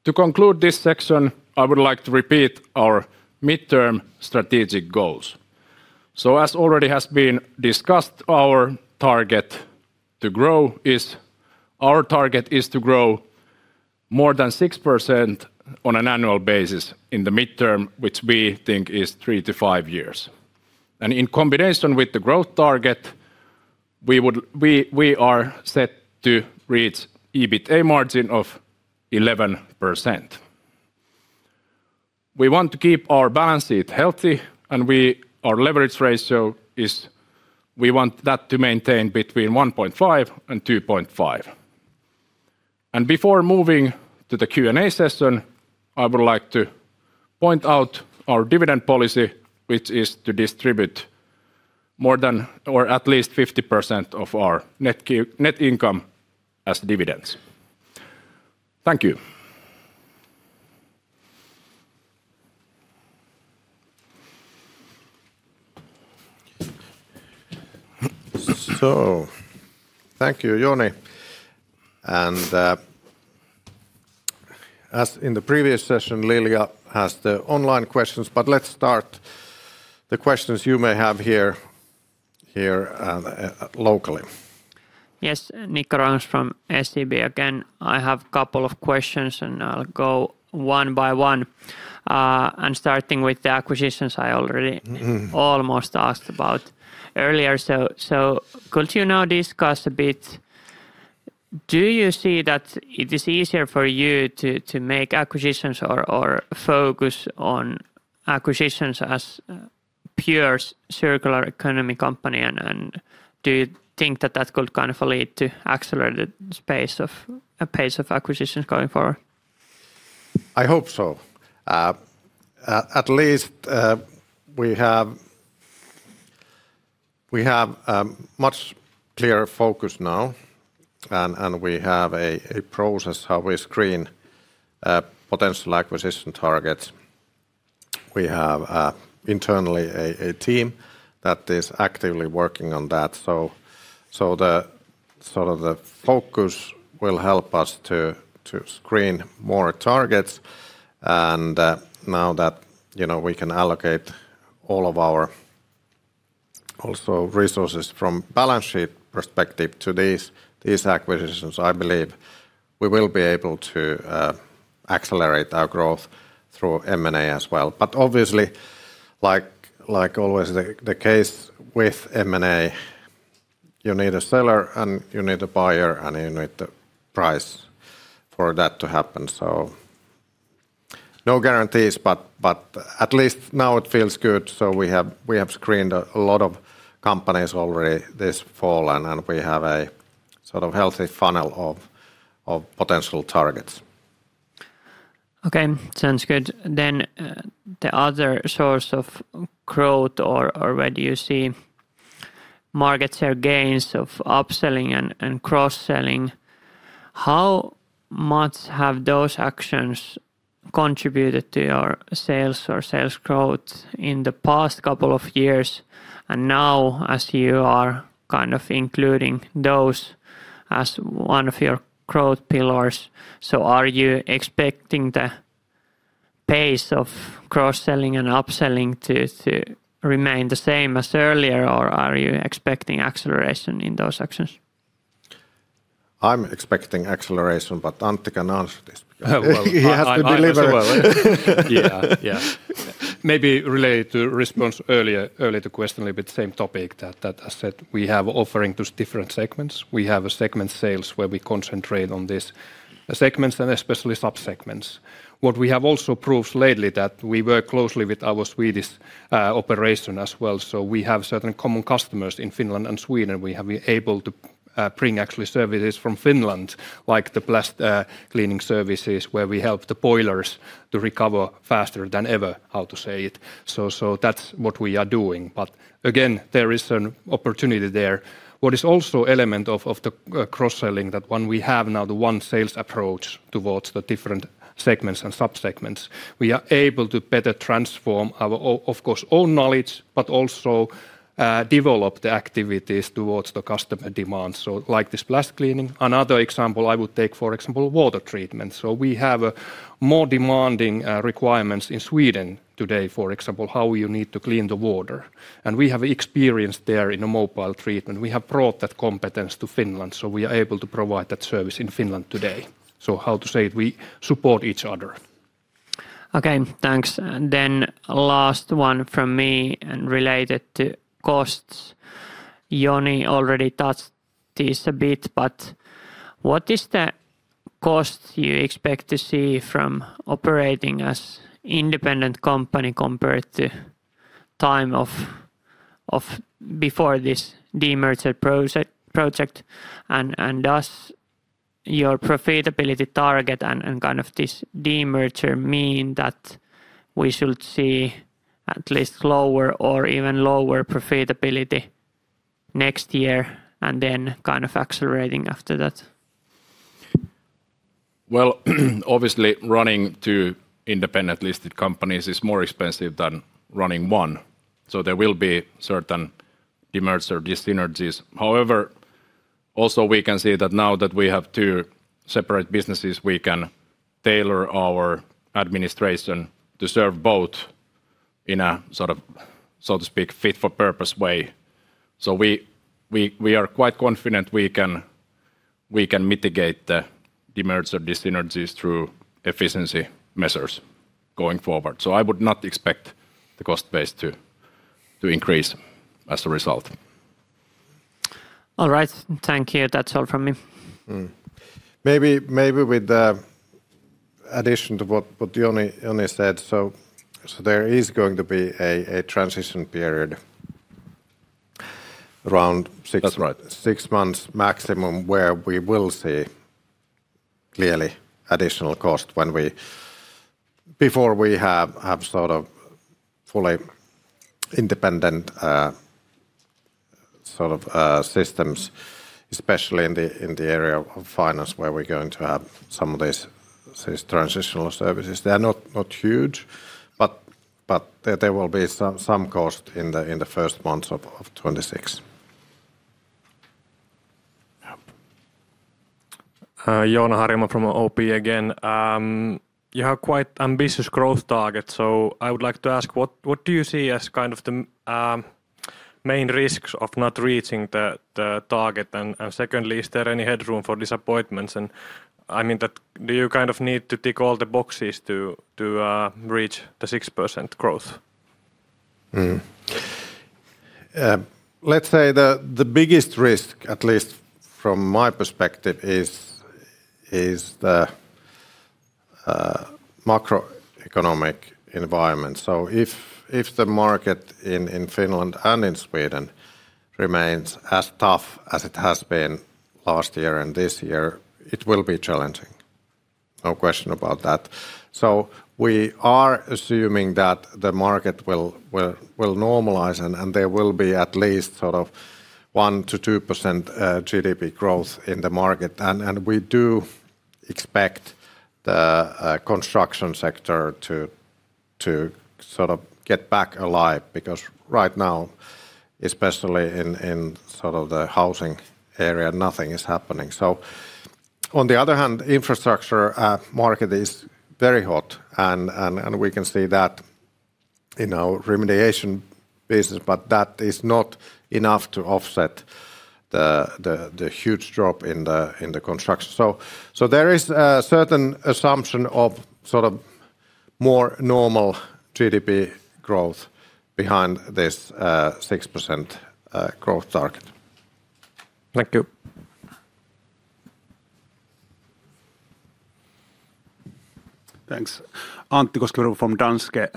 To conclude this section, I would like to repeat our midterm strategic goals. As already has been discussed, Our target is to grow more than 6% on an annual basis in the midterm, which we think is 3-5 years. In combination with the growth target, we are set to reach EBITA margin of 11%. We want to keep our balance sheet healthy. Our leverage ratio is we want that to maintain between 1.5 and 2.5. Before moving to the Q&A session, I would like to point out our dividend policy, which is to distribute more than or at least 50% of our net income as dividends. Thank you! Thank you, Joni. As in the previous session, Lilia has the online questions, but let's start the questions you may have here locally. Yes, Nikko Ruokangas from SEB again. I have couple of questions. I'll go one by one. Starting with the acquisitions. Mm-hmm... almost asked about earlier. Could you now discuss a bit: Do you see that it is easier for you to make acquisitions or focus on acquisitions as a pure circular economy company? Do you think that that could kind of lead to accelerated pace of acquisitions going forward? I hope so. At least, we have a much clearer focus now, and we have a process how we screen potential acquisition targets. We have internally a team that is actively working on that. The sort of the focus will help us to screen more targets. Now that, you know, we can allocate all of our also resources from balance sheet perspective to these acquisitions, I believe we will be able to accelerate our growth through M&A as well. Obviously, like always the case with M&A, you need a seller, and you need a buyer, and you need the price for that to happen. No guarantees, but at least now it feels good. We have screened a lot of companies already this fall, and we have a sort of healthy funnel of potential targets. Okay, sounds good. The other source of growth or where do you see market share gains of upselling and cross-selling, how much have those actions contributed to your sales or sales growth in the past couple of years? Now, as you are kind of including those as one of your growth pillars, are you expecting the pace of cross-selling and upselling to remain the same as earlier, or are you expecting acceleration in those actions? I'm expecting acceleration, but Antti can answer this. Well, he has to deliver. I might as well. Yeah. Yeah. Maybe related to response earlier to question, a little bit same topic that I said, we have offering to different segments. We have a segment sales where we concentrate on these segments and especially sub-segments. What we have also proved lately that we work closely with our Swedish operation as well, we have certain common customers in Finland and Sweden. We have been able to bring actually services from Finland, like the blast cleaning services, where we help the boilers to recover faster than ever, how to say it? That's what we are doing. Again, there is an opportunity there. What is also element of the, cross-selling, that when we have now the one sales approach towards the different segments and sub-segments, we are able to better transform our of course, own knowledge, but also, develop the activities towards the customer demands, like this blast cleaning. Another example I would take, for example, water treatment. We have more demanding requirements in Sweden today, for example, how you need to clean the water, and we have experience there in the mobile treatment. We have brought that competence to Finland, so we are able to provide that service in Finland today. How to say it? We support each other. Okay, thanks. Last one from me and related to costs. Joni already touched this a bit, but what is the cost you expect to see from operating as independent company compared to time of before this demerger project? Does your profitability target and kind of this demerger mean that we should see at least lower or even lower profitability next year and then kind of accelerating after that? Obviously, running two independent-listed companies is more expensive than running one, so there will be certain demerger dyssynergies. However, also we can see that now that we have two separate businesses, we can tailor our administration to serve in a sort of, so to speak, fit-for-purpose way. We are quite confident we can mitigate the merger dyssynergies through efficiency measures going forward. I would not expect the cost base to increase as a result. All right. Thank you. That's all from me. Maybe with the addition to what Joni said, so there is going to be a transition period around. That's right.... six months maximum, where we will see clearly additional cost. Before we have sort of fully independent systems, especially in the area of finance, where we're going to have some of these transitional services. They are not huge, but there will be some cost in the first months of 2026. Yeah. Joona Harjama from OP again. You have quite ambitious growth targets, so I would like to ask, what do you see as kind of the main risks of not reaching the target? Secondly, is there any headroom for disappointments? I mean that do you kind of need to tick all the boxes to reach the 6% growth? Let's say the biggest risk, at least from my perspective, is the macroeconomic environment. If the market in Finland and in Sweden remains as tough as it has been last year and this year, it will be challenging, no question about that. We are assuming that the market will normalize, and there will be at least sort of 1%-2% GDP growth in the market. We do expect the construction sector to sort of get back alive, because right now, especially in sort of the housing area, nothing is happening. On the other hand, infrastructure market is very hot, and we can see that in our remediation business, but that is not enough to offset the huge drop in the construction. There is a certain assumption of sort of more normal GDP growth behind this 6% growth target. Thank you. Thanks. Antti Koskivuori from Danske.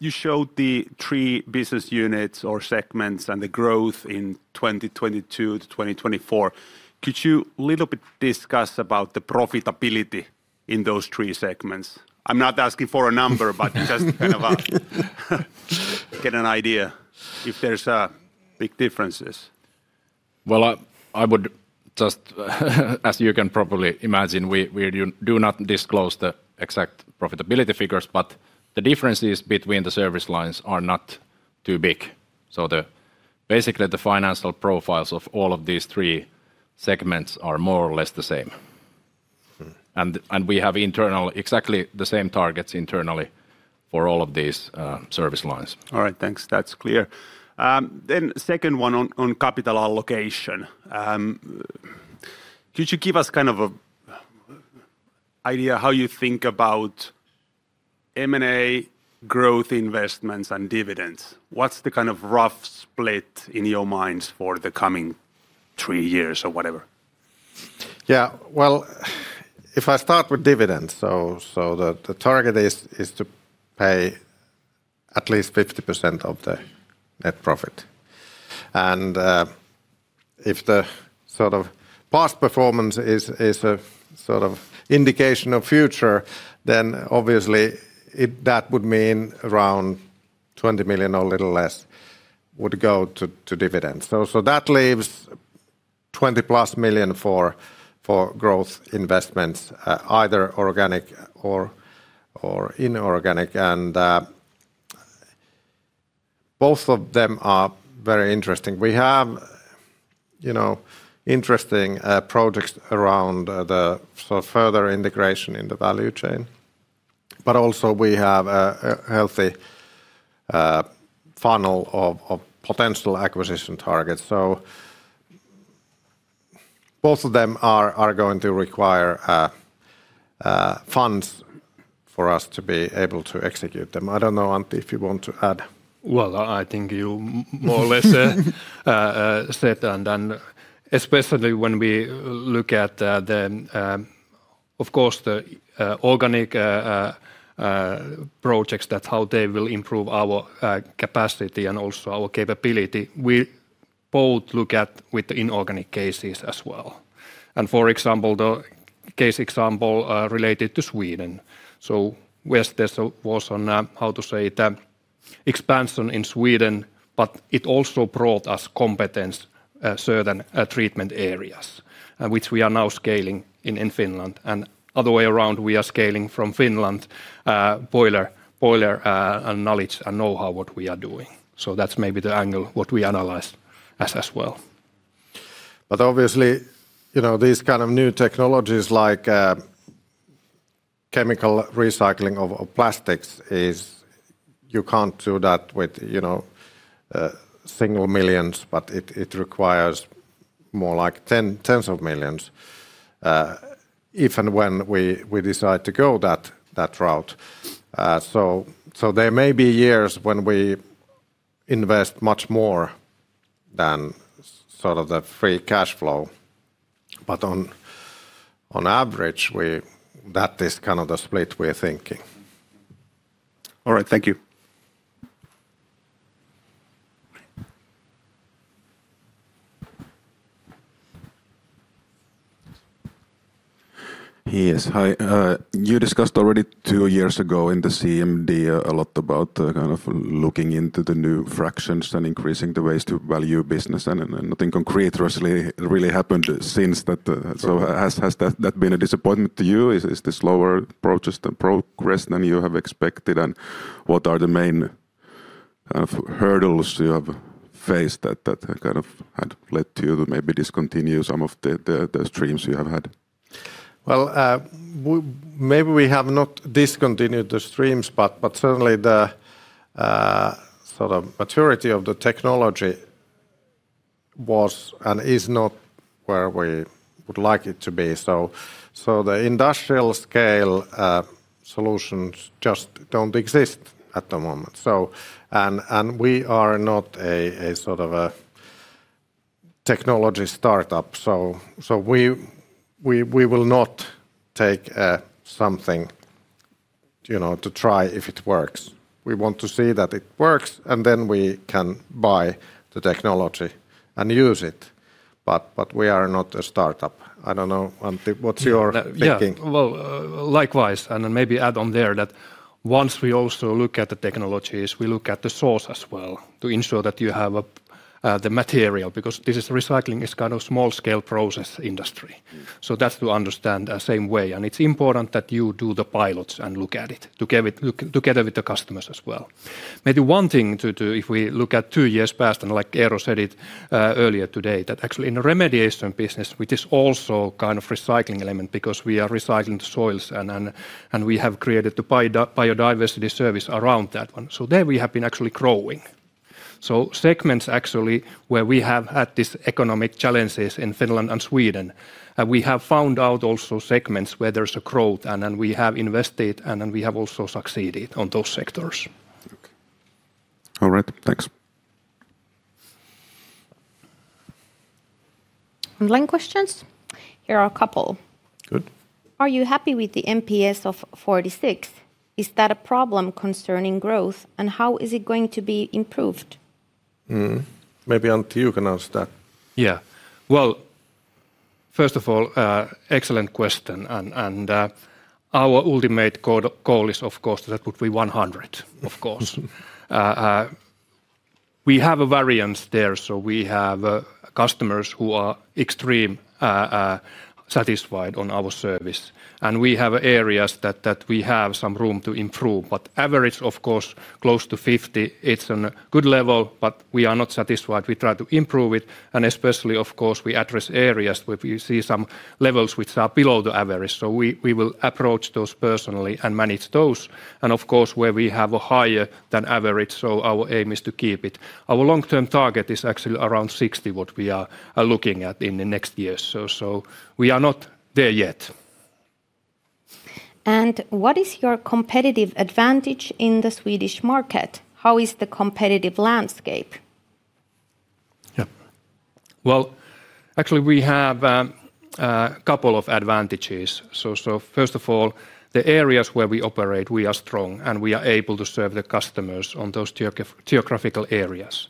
You showed the three business units or segments and the growth in 2022-2024. Could you little bit discuss about the profitability in those three segments? I'm not asking for a number but just to kind of get an idea if there's big differences. I would just, as you can probably imagine, we do not disclose the exact profitability figures. The differences between the service lines are not too big. Basically, the financial profiles of all of these three segments are more or less the same. Mm. We have exactly the same targets internally for all of these service lines. All right, thanks. That's clear. Second one on capital allocation. Could you give us kind of a idea how you think about M&A growth investments and dividends? What's the kind of rough split in your minds for the coming three years or whatever? Well, if I start with dividends, the target is to pay at least 50% of the net profit. If the sort of past performance is a sort of indication of future, then obviously that would mean around 20 million or a little less would go to dividends. That leaves 20-plus million for growth investments, either organic or inorganic, both of them are very interesting. We have, you know, interesting projects around the sort of further integration in the value chain, also we have a healthy funnel of potential acquisition targets. Both of them are going to require funds for us to be able to execute them. I don't know, Antti, if you want to add. I think you more or less said, especially when we look at the, of course, the organic projects, that's how they will improve our capacity and also our capability. We both look at with the inorganic cases as well, for example, the case example related to Sweden. Where this was on how to say the expansion in Sweden, it also brought us competence, certain treatment areas, which we are now scaling in Finland. Other way around, we are scaling from Finland, boiler and knowledge and know-how what we are doing. That's maybe the angle, what we analyze as well. Obviously, you know, these kind of new technologies, like, chemical recycling of plastics is you can't do that with, you know, single millions, but it requires more like 10s of millions, if and when we decide to go that route. There may be years when we invest much more than sort of the free cash flow, but on average, that is kind of the split we're thinking. All right, thank you. Yes, hi. You discussed already two years ago in the CMD, a lot about kind of looking into the new fractions and increasing the waste to value business, and nothing concrete actually really happened since that. Has that been a disappointment to you? Is this slower progress than you have expected, and what are the main hurdles you have faced that kind of had led to you to maybe discontinue some of the streams you have had? Well, maybe we have not discontinued the streams, but certainly the sort of maturity of the technology was and is not where we would like it to be. So the industrial scale solutions just don't exist at the moment. We are not a sort of a technology startup, so we will not take something, you know, to try if it works. We want to see that it works, and then we can buy the technology and use it. We are not a startup. I don't know. Antti, what's your thinking? Yeah. Well, likewise, and then maybe add on there, that once we also look at the technologies, we look at the source as well to ensure that you have the material, because this is recycling, it's kind of small-scale process industry. Mm. That's to understand the same way, and it's important that you do the pilots and look at it together with the customers as well. Maybe one thing to do, if we look at two years past, and like Eero said it earlier today, that actually in the remediation business, which is also kind of recycling element because we are recycling the soils, and we have created the biodiversity service around that one, so there we have been actually growing. Segments actually where we have had these economic challenges in Finland and Sweden, we have found out also segments where there's a growth, and then we have invested, and then we have also succeeded on those sectors. All right. Thanks. Online questions? Here are a couple. Good. Are you happy with the NPS of 46? Is that a problem concerning growth, and how is it going to be improved? Maybe, Antti, you can answer that. Yeah. Well, first of all, excellent question, and our ultimate goal is, of course, that would be 100, of course. We have a variance there, so we have customers who are extreme satisfied on our service, and we have areas that we have some room to improve, but average, of course, close to 50, it's on a good level, but we are not satisfied. We try to improve it, and especially, of course, we address areas where we see some levels which are below the average. We will approach those personally and manage those, and of course, where we have a higher than average, so our aim is to keep it. Our long-term target is actually around 60, what we are looking at in the next years or so. We are not there yet. What is your competitive advantage in the Swedish market? How is the competitive landscape? Yeah. Actually we have a couple of advantages. First of all, the areas where we operate, we are strong, and we are able to serve the customers on those geographical areas.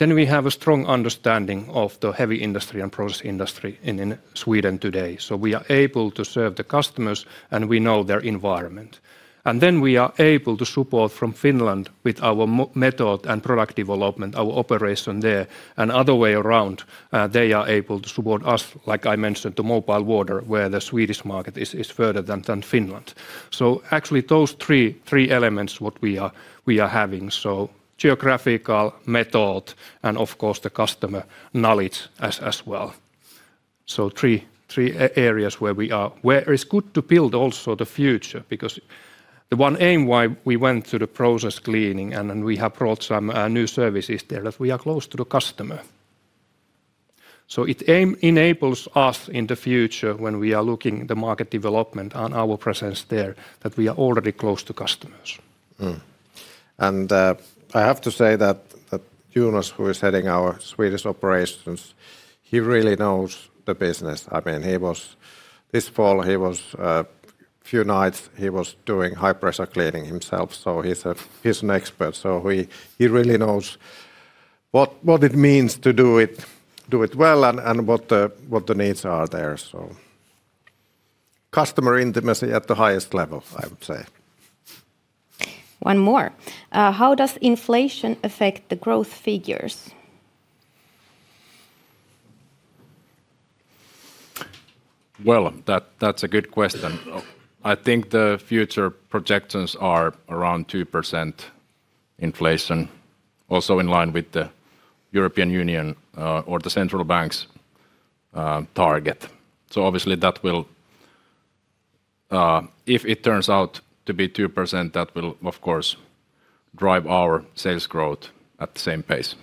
We have a strong understanding of the heavy industry and process industry in Sweden today, so we are able to serve the customers, and we know their environment. Then we are able to support from Finland with our method and product development, our operation there, and other way around, they are able to support us, like I mentioned, the mobile water, where the Swedish market is further than Finland. Actually, those three elements, what we are having, so geographical, method, and of course, the customer knowledge as well. Three areas where it's good to build also the future, because the one aim why we went through the process cleaning, and then we have brought some new services there, that we are close to the customer. It enables us in the future when we are looking the market development and our presence there, that we are already close to customers. I have to say that Jonas, who is heading our Swedish operations, he really knows the business. I mean, this fall, he was few nights, he was doing high-pressure cleaning himself, so he's an expert, so he really knows what it means to do it well, and what the needs are there, so customer intimacy at the highest level, I would say. One more. How does inflation affect the growth figures? That's a good question. I think the future projections are around 2% inflation, also in line with the European Union, or the central bank's target. Obviously, that will, if it turns out to be 2%, that will, of course, drive our sales growth at the same pace.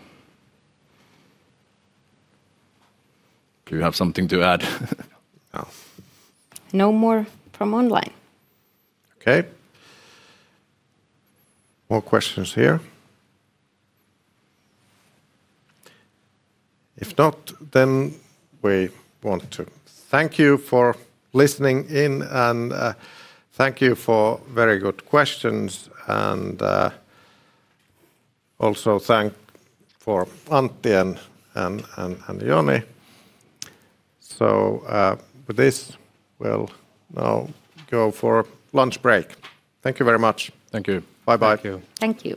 Do you have something to add? No. No more from online. Okay. More questions here? If not, we want to thank you for listening in, and thank you for very good questions, and also thank for Antti and Joni. With this, we'll now go for lunch break. Thank you very much. Thank you. Bye-bye. Thank you. Thank you.